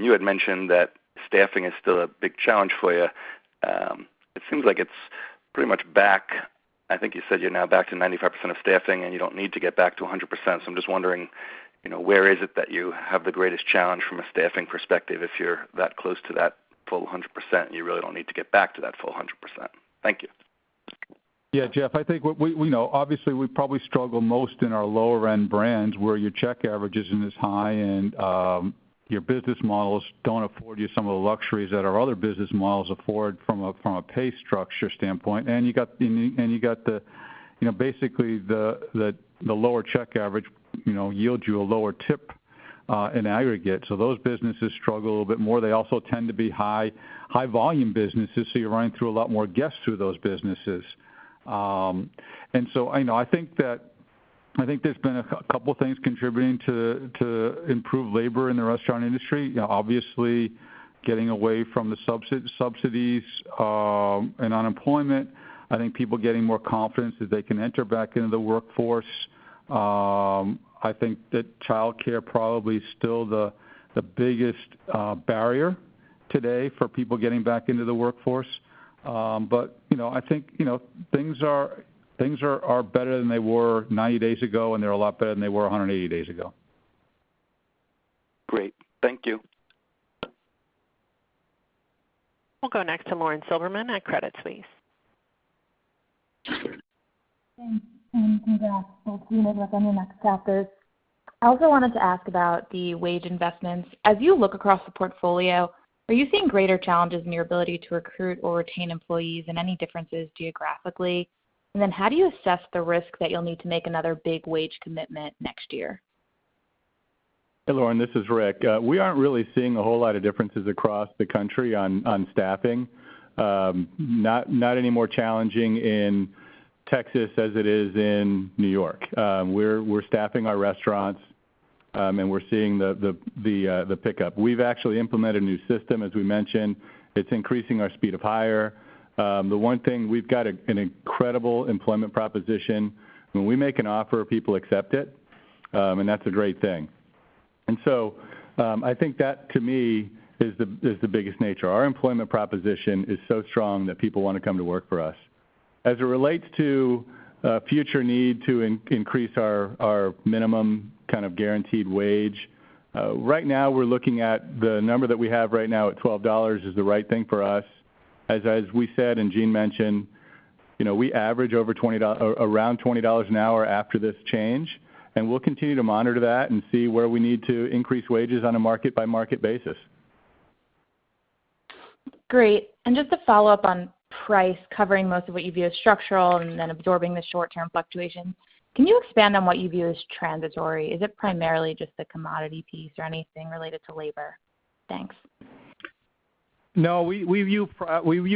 You had mentioned that staffing is still a big challenge for you. It seems like it's pretty much back. I think you said you're now back to 95% of staffing, and you don't need to get back to 100%. I'm just wondering, you know, where is it that you have the greatest challenge from a staffing perspective if you're that close to that full 100%, and you really don't need to get back to that full 100%? Thank you. Yeah, Jeff, I think what we know, obviously, we probably struggle most in our lower-end brands where your check average isn't as high and your business models don't afford you some of the luxuries that our other business models afford from a pay structure standpoint. You got the, you know, basically the lower check average, you know, yields you a lower tip in aggregate. Those businesses struggle a little bit more. They also tend to be high volume businesses, so you're running through a lot more guests through those businesses. I know I think there's been a couple things contributing to improve labor in the restaurant industry, you know, obviously getting away from the subsidies and unemployment. I think people getting more confidence that they can enter back into the workforce. I think that childcare probably is still the biggest barrier today for people getting back into the workforce. You know, I think, you know, things are better than they were 90 days ago, and they're a lot better than they were 180 days ago. Great. Thank you. We'll go next to Lauren Silberman at Credit Suisse. Thanks. Congrats both of you on your next chapters. I also wanted to ask about the wage investments. As you look across the portfolio, are you seeing greater challenges in your ability to recruit or retain employees and any differences geographically? How do you assess the risk that you'll need to make another big wage commitment next year? Hey, Lauren, this is Rick. We aren't really seeing a whole lot of differences across the country on staffing. It's not any more challenging in Texas as it is in New York. We're staffing our restaurants, and we're seeing the pickup. We've actually implemented a new system, as we mentioned. It's increasing our speed of hire. The one thing, we've got an incredible employment proposition. When we make an offer, people accept it, and that's a great thing. I think that, to me, is the biggest factor. Our employment proposition is so strong that people wanna come to work for us. As it relates to future need to increase our minimum kind of guaranteed wage, right now we're looking at the number that we have right now at $12 is the right thing for us. As we said, and Gene mentioned, you know, we average over $20 around $20 an hour after this change, and we'll continue to monitor that and see where we need to increase wages on a market-by-market basis. Great. Just to follow up on price covering most of what you view as structural and then absorbing the short-term fluctuation, can you expand on what you view as transitory? Is it primarily just the commodity piece or anything related to labor? Thanks. No, we view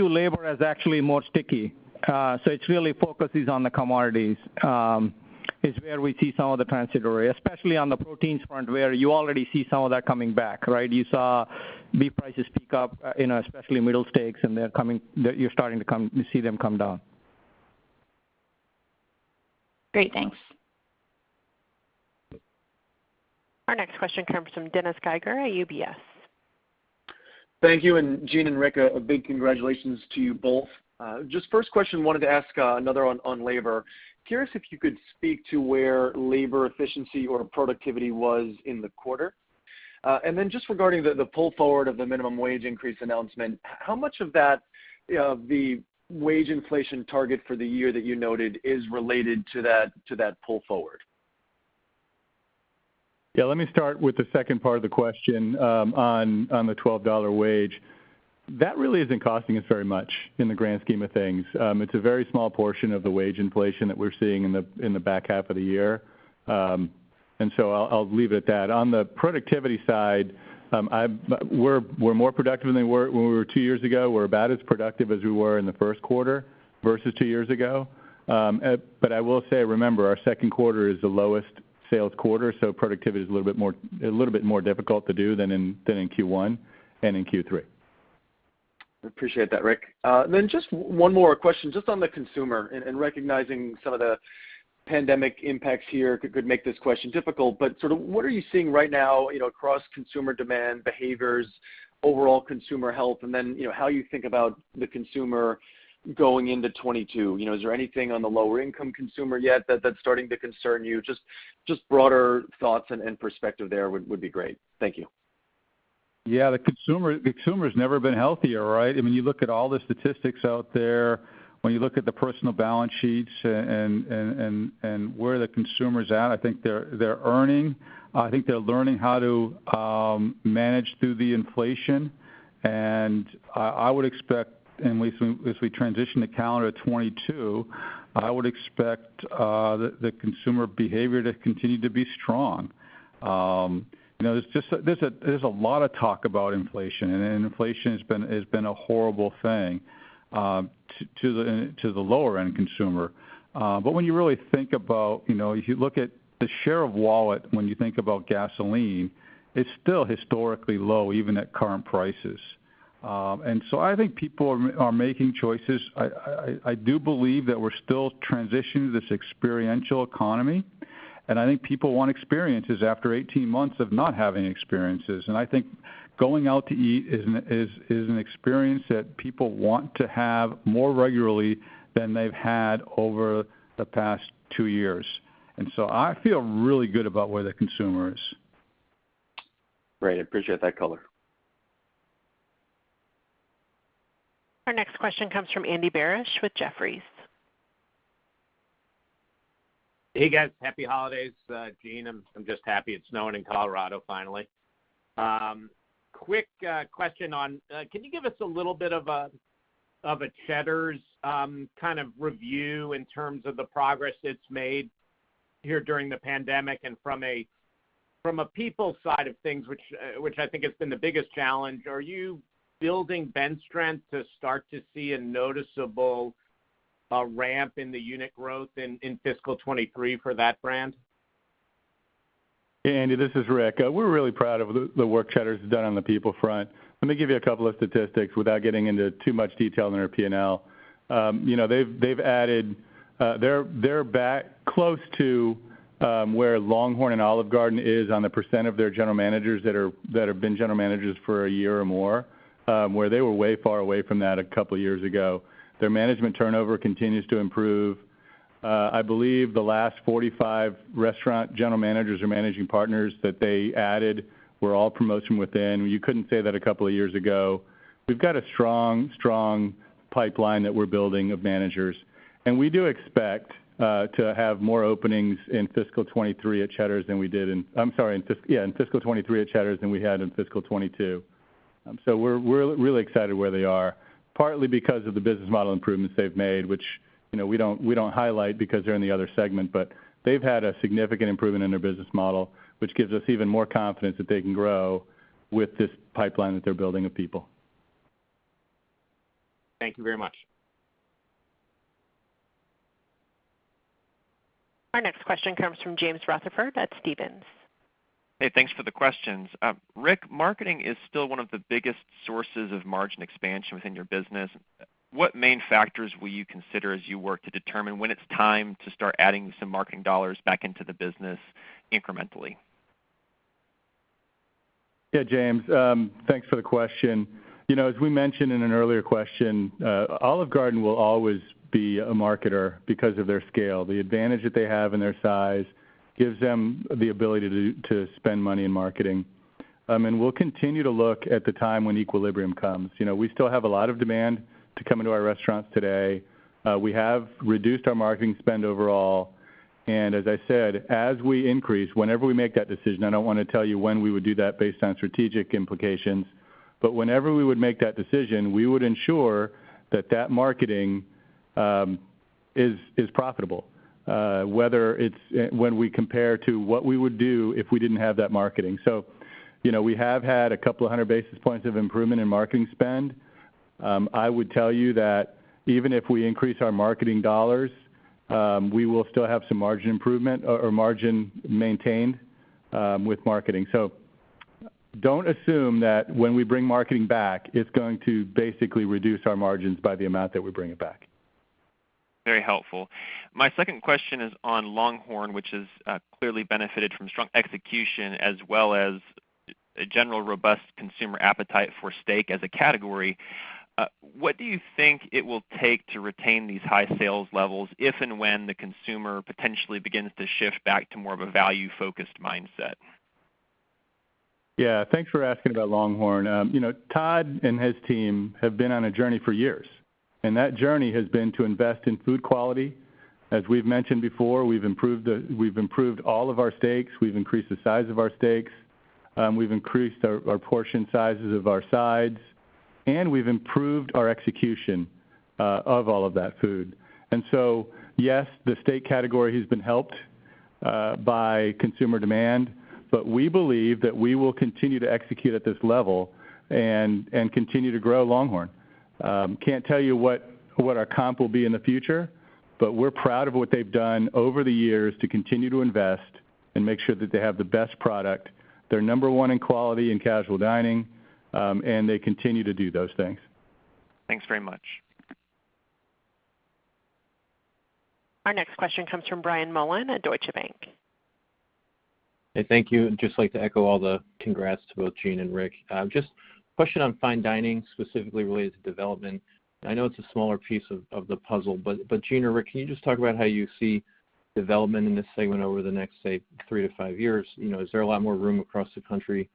labor as actually more sticky. So the real focus is on the commodities, where we see some of the transitory, especially on the proteins front, where you already see some of that coming back, right? You saw beef prices peak up, you know, especially middle steaks, and they're coming down. You see them come down. Great. Thanks. Our next question comes from Dennis Geiger at UBS. Thank you. Gene and Rick, a big congratulations to you both. Just first question, wanted to ask, another one on labor. Curious if you could speak to where labor efficiency or productivity was in the quarter. And then just regarding the pull forward of the minimum wage increase announcement, how much of that, the wage inflation target for the year that you noted is related to that pull forward? Yeah, let me start with the second part of the question, on the $12 wage. That really isn't costing us very much in the grand scheme of things. It's a very small portion of the wage inflation that we're seeing in the back half of the year. I'll leave it at that. On the productivity side, we're more productive than we were when we were two years ago. We're about as productive as we were in the first quarter versus two years ago. I will say, remember, our second quarter is the lowest sales quarter, so productivity is a little bit more difficult to do than in Q1 and in Q3. Appreciate that, Rick. Just one more question, just on the consumer and recognizing some of the pandemic impacts here could make this question difficult. Sort of what are you seeing right now, you know, across consumer demand, behaviors, overall consumer health, and then, you know, how you think about the consumer going into 2022? You know, is there anything on the lower income consumer yet that's starting to concern you? Just broader thoughts and perspective there would be great. Thank you. Yeah. The consumer's never been healthier, right? I mean, you look at all the statistics out there. When you look at the personal balance sheets and where the consumer's at, I think they're earning. I think they're learning how to manage through the inflation. I would expect, so as we transition to calendar 2022, I would expect the consumer behavior to continue to be strong. You know, there's just a lot of talk about inflation, and inflation has been a horrible thing to the lower end consumer. When you really think about, you know, if you look at the share of wallet when you think about gasoline, it's still historically low, even at current prices. I think people are making choices. I do believe that we're still transitioning to this experiential economy, and I think people want experiences after 18 months of not having experiences. I think going out to eat is an experience that people want to have more regularly than they've had over the past two years. I feel really good about where the consumer is. Great. Appreciate that color. Our next question comes from Andy Barish with Jefferies. Hey, guys. Happy holidays. Gene, I'm just happy it's snowing in Colorado finally. Quick question on, can you give us a little bit of a Cheddar's kind of review in terms of the progress it's made here during the pandemic and from a people side of things, which I think has been the biggest challenge. Are you building bench strength to start to see a noticeable ramp in the unit growth in fiscal 2023 for that brand? Hey, Andy, this is Rick. We're really proud of the work Cheddar's has done on the people front. Let me give you a couple of statistics without getting into too much detail in our P&L. You know, they've added, they're back close to where LongHorn and Olive Garden is on the percent of their general managers that have been general managers for a year or more, where they were way far away from that a couple years ago. Their management turnover continues to improve. I believe the last 45 restaurant general managers or managing partners that they added were all promotion within. You couldn't say that a couple of years ago. We've got a strong pipeline that we're building of managers, and we do expect to have more openings in fiscal 2023 at Cheddar's than we had in fiscal 2022. We're really excited where they are, partly because of the business model improvements they've made, which you know we don't highlight because they're in the other segment. They've had a significant improvement in their business model, which gives us even more confidence that they can grow with this pipeline that they're building of people. Thank you very much. Our next question comes from James Rutherford at Stephens. Hey, thanks for the questions. Rick, marketing is still one of the biggest sources of margin expansion within your business. What main factors will you consider as you work to determine when it's time to start adding some marketing dollars back into the business incrementally? Yeah, James, thanks for the question. You know, as we mentioned in an earlier question, Olive Garden will always be a marketer because of their scale. The advantage that they have in their size gives them the ability to spend money in marketing. We'll continue to look at the time when equilibrium comes. You know, we still have a lot of demand to come into our restaurants today. We have reduced our marketing spend overall. As I said, as we increase, whenever we make that decision, I don't wanna tell you when we would do that based on strategic implications, but whenever we would make that decision, we would ensure that that marketing is profitable, whether it's when we compare to what we would do if we didn't have that marketing. You know, we have had a couple of hundred basis points of improvement in marketing spend. I would tell you that even if we increase our marketing dollars, we will still have some margin improvement or margin maintained with marketing. Don't assume that when we bring marketing back, it's going to basically reduce our margins by the amount that we bring it back. Very helpful. My second question is on LongHorn, which has clearly benefited from strong execution as well as a general robust consumer appetite for steak as a category. What do you think it will take to retain these high sales levels, if and when the consumer potentially begins to shift back to more of a value-focused mindset? Yeah, thanks for asking about LongHorn. You know, Todd and his team have been on a journey for years, and that journey has been to invest in food quality. As we've mentioned before, we've improved all of our steaks. We've increased the size of our steaks. We've increased our portion sizes of our sides, and we've improved our execution of all of that food. Yes, the steak category has been helped by consumer demand, but we believe that we will continue to execute at this level and continue to grow LongHorn. Can't tell you what our comp will be in the future, but we're proud of what they've done over the years to continue to invest and make sure that they have the best product. They're number one in quality in casual dining, and they continue to do those things. Thanks very much. Our next question comes from Brian Mullan at Deutsche Bank. Hey, thank you. Just like to echo all the congrats to both Gene and Rick. Just question on fine dining, specifically related to development. I know it's a smaller piece of the puzzle, but Gene or Rick, can you just talk about how you see development in this segment over the next, say, three to five years? You know, is there a lot more room across the country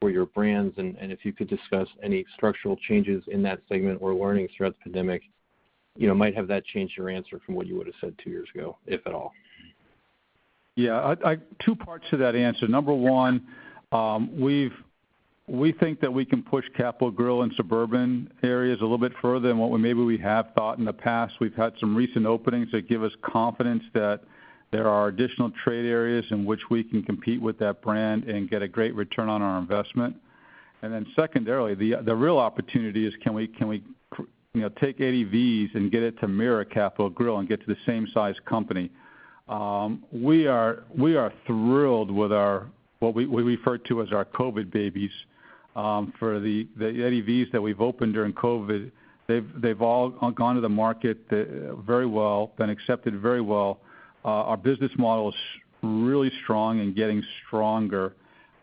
for your brands? If you could discuss any structural changes in that segment or learnings throughout the pandemic, you know, might have that changed your answer from what you would have said two years ago, if at all? Yeah, two parts to that answer. Number one, we think that we can push Capital Grille in suburban areas a little bit further than what we maybe have thought in the past. We've had some recent openings that give us confidence that there are additional trade areas in which we can compete with that brand and get a great return on our investment. Then secondarily, the real opportunity is can we, you know, take Eddie V's and get it to mirror Capital Grille and get to the same size company. We are thrilled with what we refer to as our COVID babies for the Eddie V's that we've opened during COVID. They've all gone to the market very well, been accepted very well. Our business model is really strong and getting stronger,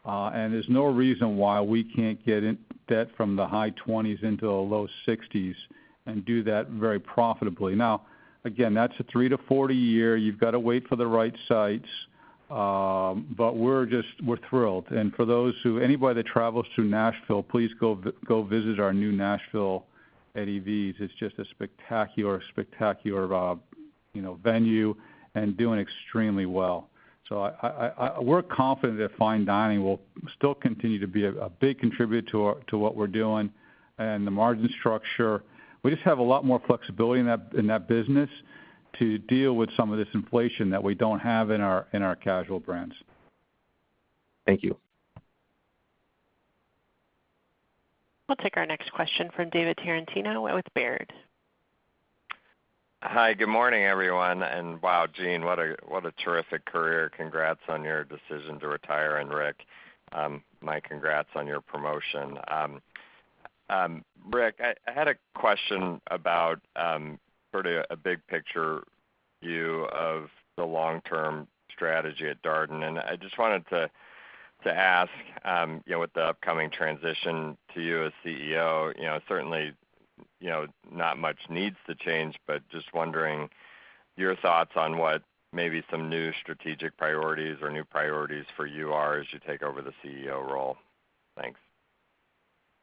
and there's no reason why we can't get that from the high 20s to the low 60s and do that very profitably. Now, again, that's a 3- to 40-year. You've got to wait for the right sites. But we're just thrilled. For anybody that travels through Nashville, please go visit our new Nashville Eddie V's. It's just a spectacular venue and doing extremely well. We're confident that fine dining will still continue to be a big contributor to what we're doing and the margin structure. We just have a lot more flexibility in that business to deal with some of this inflation that we don't have in our casual brands. Thank you. We'll take our next question from David Tarantino with Baird. Hi, good morning, everyone. Wow, Gene, what a terrific career. Congrats on your decision to retire. Rick, my congrats on your promotion. Rick, I had a question about, sort of a big picture view of the long-term strategy at Darden. I just wanted to ask, you know, with the upcoming transition to you as CEO, you know, certainly, you know, not much needs to change, but just wondering your thoughts on what maybe some new strategic priorities or new priorities for you are as you take over the CEO role. Thanks.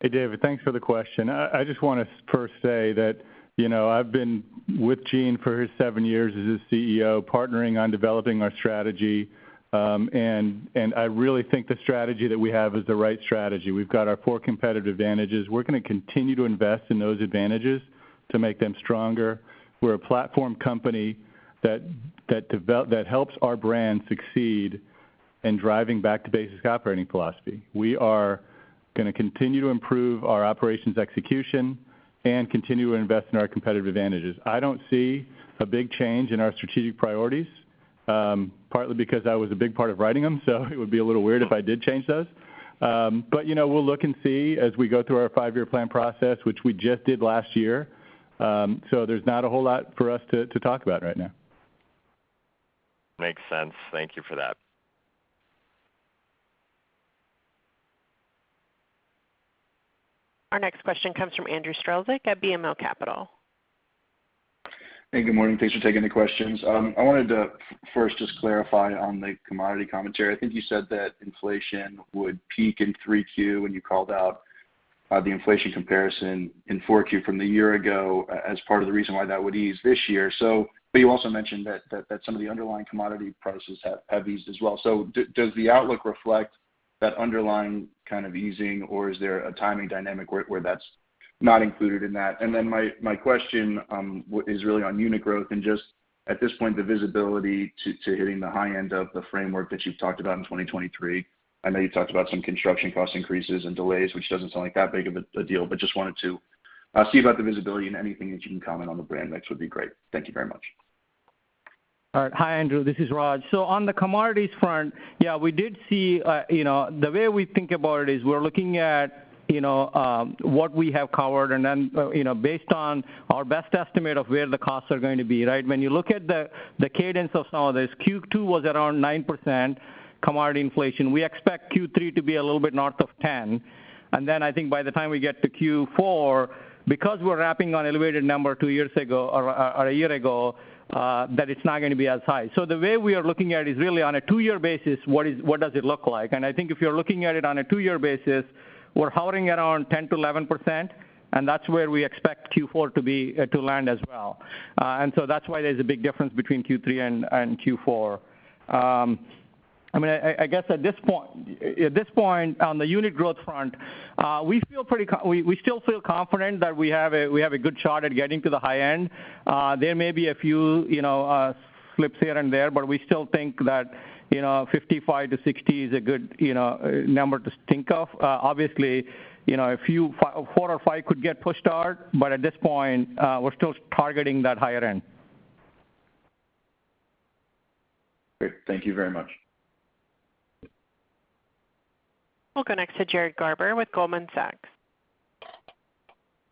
Hey, David, thanks for the question. I just want to first say that, you know, I've been with Gene for his seven years as his CEO, partnering on developing our strategy, and I really think the strategy that we have is the right strategy. We've got our Four Competitive Advantages. We're gonna continue to invest in those advantages to make them stronger. We're a platform company that helps our brand succeed and driving Back-to-Basics Operating Philosophy. We are gonna continue to improve our operations execution and continue to invest in our competitive advantages. I don't see a big change in our strategic priorities, partly because I was a big part of writing them, so it would be a little weird if I did change those. You know, we'll look and see as we go through our five-year plan process, which we just did last year. There's not a whole lot for us to talk about right now. Makes sense. Thank you for that. Our next question comes from Andrew Strelzik at BMO Capital. Hey, good morning. Thanks for taking the questions. I wanted to first just clarify on the commodity commentary. I think you said that inflation would peak in 3Q, and you called out the inflation comparison in 4Q from the year ago as part of the reason why that would ease this year. You also mentioned that some of the underlying commodity prices have eased as well. Does the outlook reflect that underlying kind of easing, or is there a timing dynamic where that's not included in that? Then my question is really on unit growth and just, at this point, the visibility to hitting the high end of the framework that you've talked about in 2023. I know you talked about some construction cost increases and delays, which doesn't sound like that big of a deal, but just wanted to see about the visibility and anything that you can comment on the brand mix would be great. Thank you very much. All right. Hi, Andrew. This is Raj. On the commodities front, yeah, we did see, you know, the way we think about it is we're looking at, you know, what we have covered and then, you know, based on our best estimate of where the costs are going to be, right? When you look at the cadence of some of this, Q2 was around 9% commodity inflation. We expect Q3 to be a little bit north of 10%. I think by the time we get to Q4, because we're lapping elevated numbers two years ago or a year ago, that it's not gonna be as high. The way we are looking at it is really on a two-year basis, what does it look like? I think if you're looking at it on a two-year basis, we're hovering around 10%-11%, and that's where we expect Q4 to be, to land as well. That's why there's a big difference between Q3 and Q4. I mean, I guess at this point on the unit growth front, we feel pretty we still feel confident that we have a good shot at getting to the high end. There may be a few, you know, slips here and there, but we still think that, you know, 55-60 is a good, you know, number to think of. Obviously, you know, a few, four or five could get pushed out, but at this point, we're still targeting that higher end. Great. Thank you very much. We'll go next to Jared Garber with Goldman Sachs.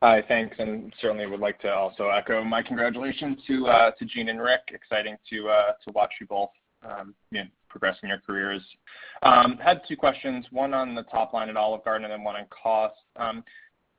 Hi, thanks, and certainly would like to also echo my congratulations to Gene and Rick. Exciting to watch you both, you know, progressing your careers. Had two questions, one on the top line at Olive Garden and then one on cost.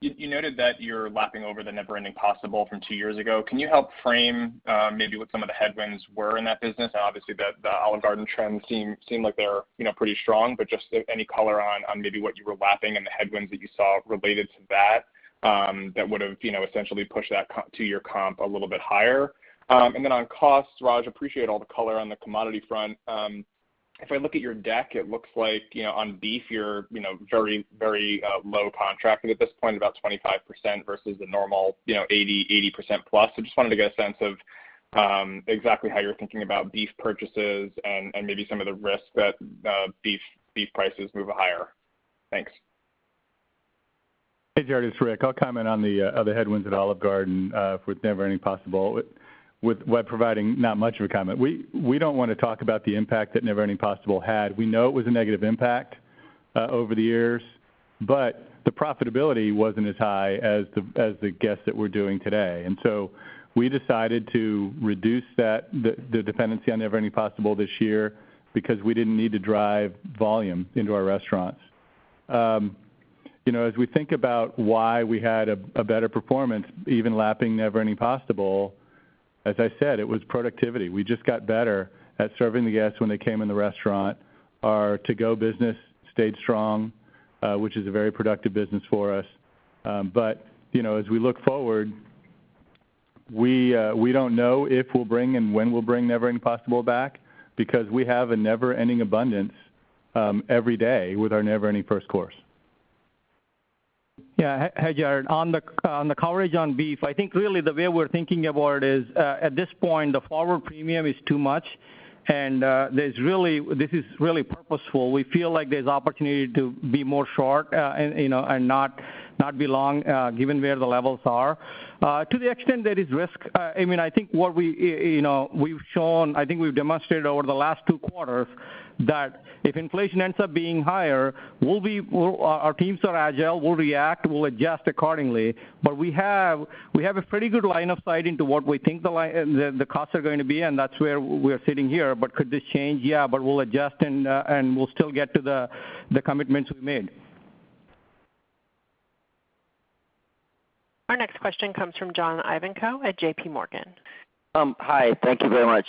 You noted that you're lapping over the Never Ending Pasta Bowl from two years ago. Can you help frame maybe what some of the headwinds were in that business? Obviously, the Olive Garden trends seem like they're, you know, pretty strong, but just any color on maybe what you were lapping and the headwinds that you saw related to that would have, you know, essentially pushed that comp to your comp a little bit higher. Then on costs, Raj, I appreciate all the color on the commodity front. If I look at your deck, it looks like, you know, on beef, you're, you know, very low contracting at this point, about 25% versus the normal, you know, 80% plus. Just wanted to get a sense of exactly how you're thinking about beef purchases and maybe some of the risks that beef prices move higher. Thanks. Hey, Jared, it's Rick. I'll comment on the headwinds at Olive Garden with Never Ending Pasta Bowl, providing not much of a comment. We don't wanna talk about the impact that Never Ending Pasta Bowl had. We know it was a negative impact over the years, but the profitability wasn't as high as the guests that we're doing today. We decided to reduce the dependency on Never Ending Pasta Bowl this year because we didn't need to drive volume into our restaurants. You know, as we think about why we had a better performance, even lapping Never Ending Pasta Bowl, as I said, it was productivity. We just got better at serving the guests when they came in the restaurant. Our To Go business stayed strong, which is a very productive business for us. you know, as we look forward, we don't know if we'll bring and when we'll bring Never Ending Pasta Bowl back because we have a never-ending abundance every day with our Never Ending first course. Yeah. Hey, Jared. On the coverage on beef, I think really the way we're thinking about it is at this point, the forward premium is too much, and there's really this is really purposeful. We feel like there's opportunity to be more short, and you know, and not be long, given where the levels are. To the extent there is risk, I mean, I think what we you know, we've shown, I think we've demonstrated over the last two quarters that if inflation ends up being higher, we'll, our teams are agile, we'll react, we'll adjust accordingly. We have a pretty good line of sight into what we think the costs are going to be, and that's where we're sitting here. Could this change? Yeah. We'll adjust and we'll still get to the commitments we've made. Our next question comes from John Ivankoe at JPMorgan. Hi. Thank you very much.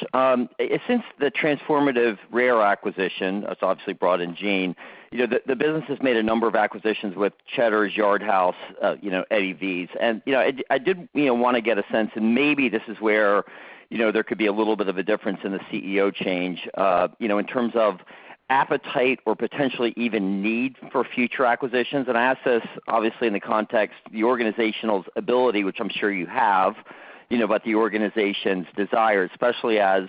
Since the transformative RARE acquisition has obviously brought in Gene Lee, you know, the business has made a number of acquisitions with Cheddar's, Yard House, you know, Eddie V's. You know, I did, you know, wanna get a sense, and maybe this is where, you know, there could be a little bit of a difference in the CEO change, you know, in terms of appetite or potentially even need for future acquisitions. I ask this obviously in the context of the organizational ability, which I'm sure you have, you know, about the organization's desire, especially as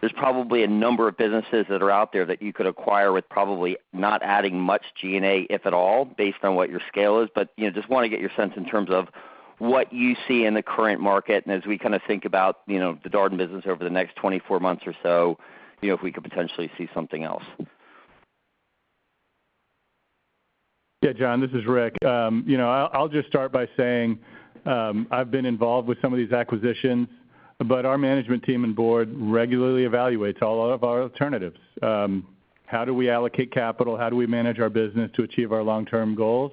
there's probably a number of businesses that are out there that you could acquire with probably not adding much G&A, if at all, based on what your scale is. You know, just wanna get your sense in terms of what you see in the current market and as we kinda think about, you know, the Darden business over the next 24 months or so, you know, if we could potentially see something else. Yeah, John, this is Rick. You know, I'll just start by saying, I've been involved with some of these acquisitions, but our management team and board regularly evaluates all of our alternatives. How do we allocate capital? How do we manage our business to achieve our long-term goals?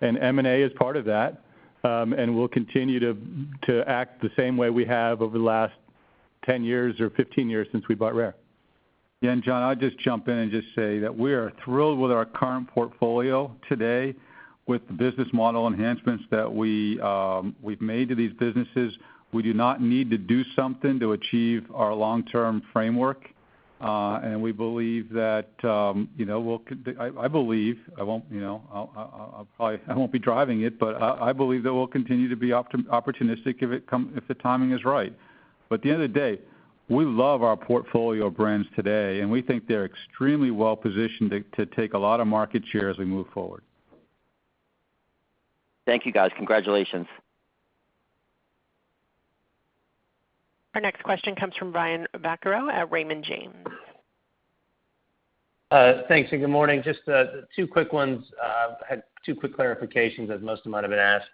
M&A is part of that, and we'll continue to act the same way we have over the last 10 years or 15 years since we bought RARE. Yeah. John, I'll just jump in and just say that we are thrilled with our current portfolio today with the business model enhancements that we've made to these businesses. We do not need to do something to achieve our long-term framework. We believe that, you know, I believe I won't be driving it, but I believe that we'll continue to be opportunistic if the timing is right. At the end of the day, we love our portfolio of brands today, and we think they're extremely well positioned to take a lot of market share as we move forward. Thank you, guys. Congratulations. Our next question comes from Brian Vaccaro at Raymond James. Thanks and good morning. Just two quick ones. Had two quick clarifications that most might have been asked,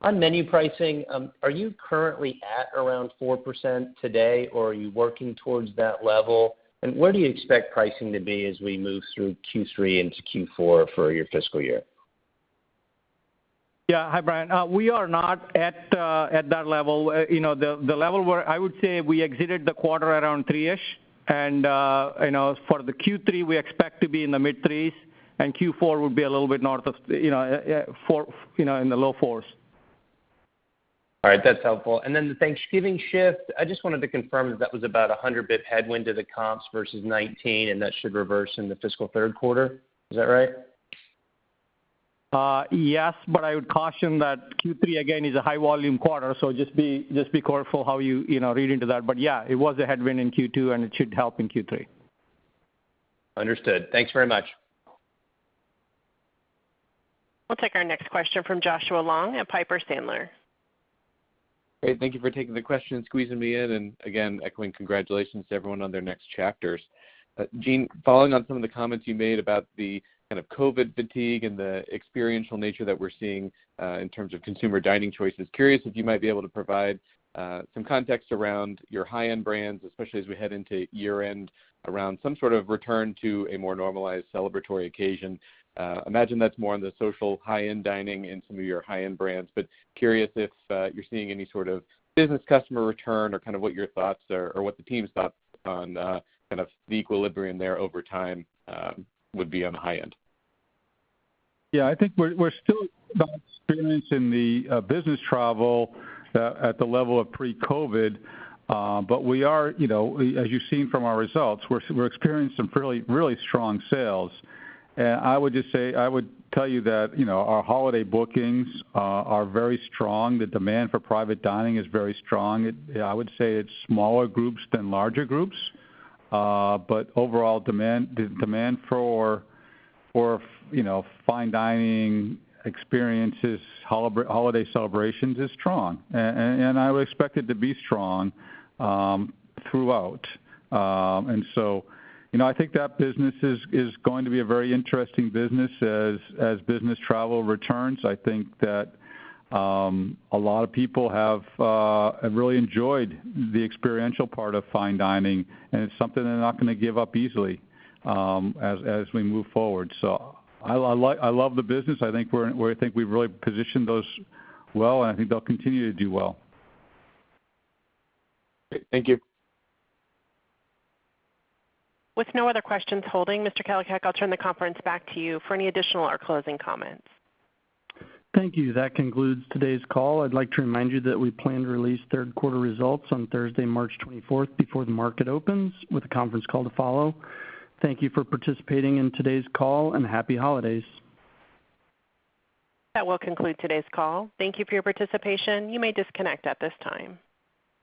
but on menu pricing, are you currently at around 4% today, or are you working towards that level? Where do you expect pricing to be as we move through Q3 into Q4 for your fiscal year? Yeah. Hi, Brian. We are not at that level. You know, the level where I would say we exited the quarter around three-ish and, you know, for the Q3, we expect to be in the mid 3s, and Q4 will be a little bit north of, you know, four in the low 4s. All right. That's helpful. The Thanksgiving shift, I just wanted to confirm that was about 100 basis points headwind to the comps versus 2019, and that should reverse in the fiscal third quarter. Is that right? Yes, but I would caution that Q3, again, is a high volume quarter, so just be careful how you know, read into that. Yeah, it was a headwind in Q2, and it should help in Q3. Understood. Thanks very much. We'll take our next question from Joshua Long at Piper Sandler. Great. Thank you for taking the question and squeezing me in. Again, echoing congratulations to everyone on their next chapters. Gene, following on some of the comments you made about the kind of COVID fatigue and the experiential nature that we're seeing, in terms of consumer dining choices, curious if you might be able to provide, some context around your high-end brands, especially as we head into year-end around some sort of return to a more normalized celebratory occasion. Imagine that's more on the social high-end dining in some of your high-end brands, but curious if, you're seeing any sort of business customer return or kind of what your thoughts are or what the team's thoughts on, kind of the equilibrium there over time, would be on the high end. Yeah. I think we're still not experiencing the business travel at the level of pre-COVID, but we are, you know, as you've seen from our results, we're experiencing some fairly really strong sales. I would just say, I would tell you that, you know, our holiday bookings are very strong. The demand for private dining is very strong. I would say it's smaller groups than larger groups. Overall demand, the demand for, you know, fine dining experiences, holiday celebrations is strong. I would expect it to be strong throughout. You know, I think that business is going to be a very interesting business as business travel returns. I think that a lot of people have really enjoyed the experiential part of fine dining, and it's something they're not gonna give up easily, as we move forward. I love the business. I think we've really positioned those well, and I think they'll continue to do well. Great. Thank you. With no other questions holding, Mr. Kalicak, I'll turn the conference back to you for any additional or closing comments. Thank you. That concludes today's call. I'd like to remind you that we plan to release third quarter results on Thursday, March 24 before the market opens with a conference call to follow. Thank you for participating in today's call, and happy holidays. That will conclude today's call. Thank you for your participation. You may disconnect at this time.